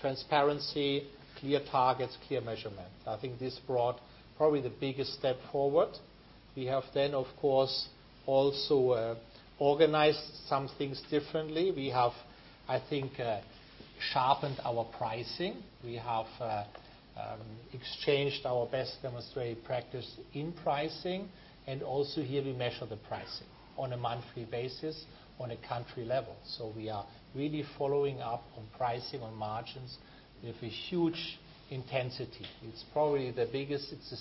transparency, clear targets, clear measurement. I think this brought probably the biggest step forward. We have, of course, also organized some things differently. We have, I think, sharpened our pricing. We have exchanged our best demonstrated practice in pricing. Also here, we measure the pricing on a monthly basis on a country level. We are really following up on pricing, on margins with a huge intensity. It's probably the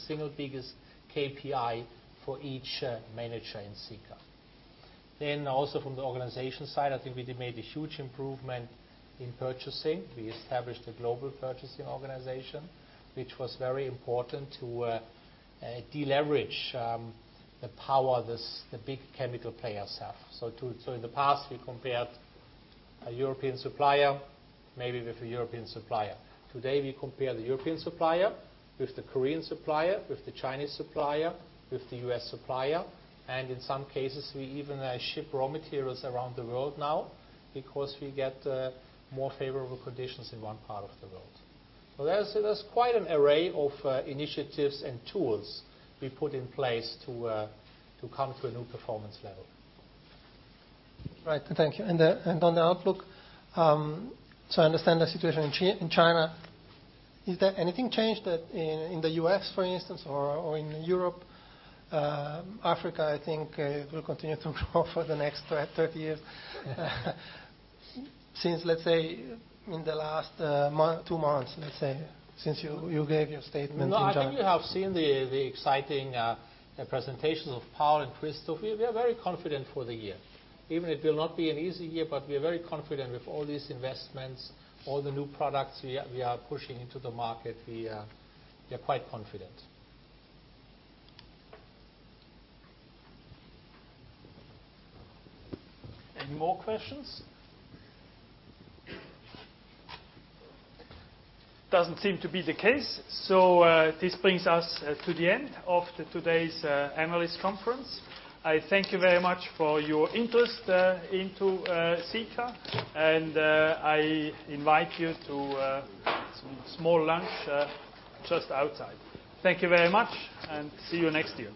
single biggest KPI for each manager in Sika. Also from the organization side, I think we made a huge improvement in purchasing. We established a global purchasing organization. Which was very important to deleverage the power the big chemical players have. In the past, we compared a European supplier maybe with a European supplier. Today, we compare the European supplier with the Korean supplier, with the Chinese supplier, with the U.S. supplier, and in some cases, we even ship raw materials around the world now because we get more favorable conditions in one part of the world. That's quite an array of initiatives and tools we put in place to come to a new performance level. Right. Thank you. On the outlook, so I understand the situation in China. Has there anything changed in the U.S., for instance, or in Europe, since, let's say, in the last two months, let's say, since you gave your statement in January? No, I think you have seen the exciting presentations of Paul and Christoph. We are very confident for the year. Even it will not be an easy year, but we are very confident with all these investments, all the new products we are pushing into the market. We are quite confident. Any more questions? Doesn't seem to be the case, so this brings us to the end of today's analyst conference. I thank you very much for your interest into Sika, and I invite you to a small lunch just outside. Thank you very much, and see you next year.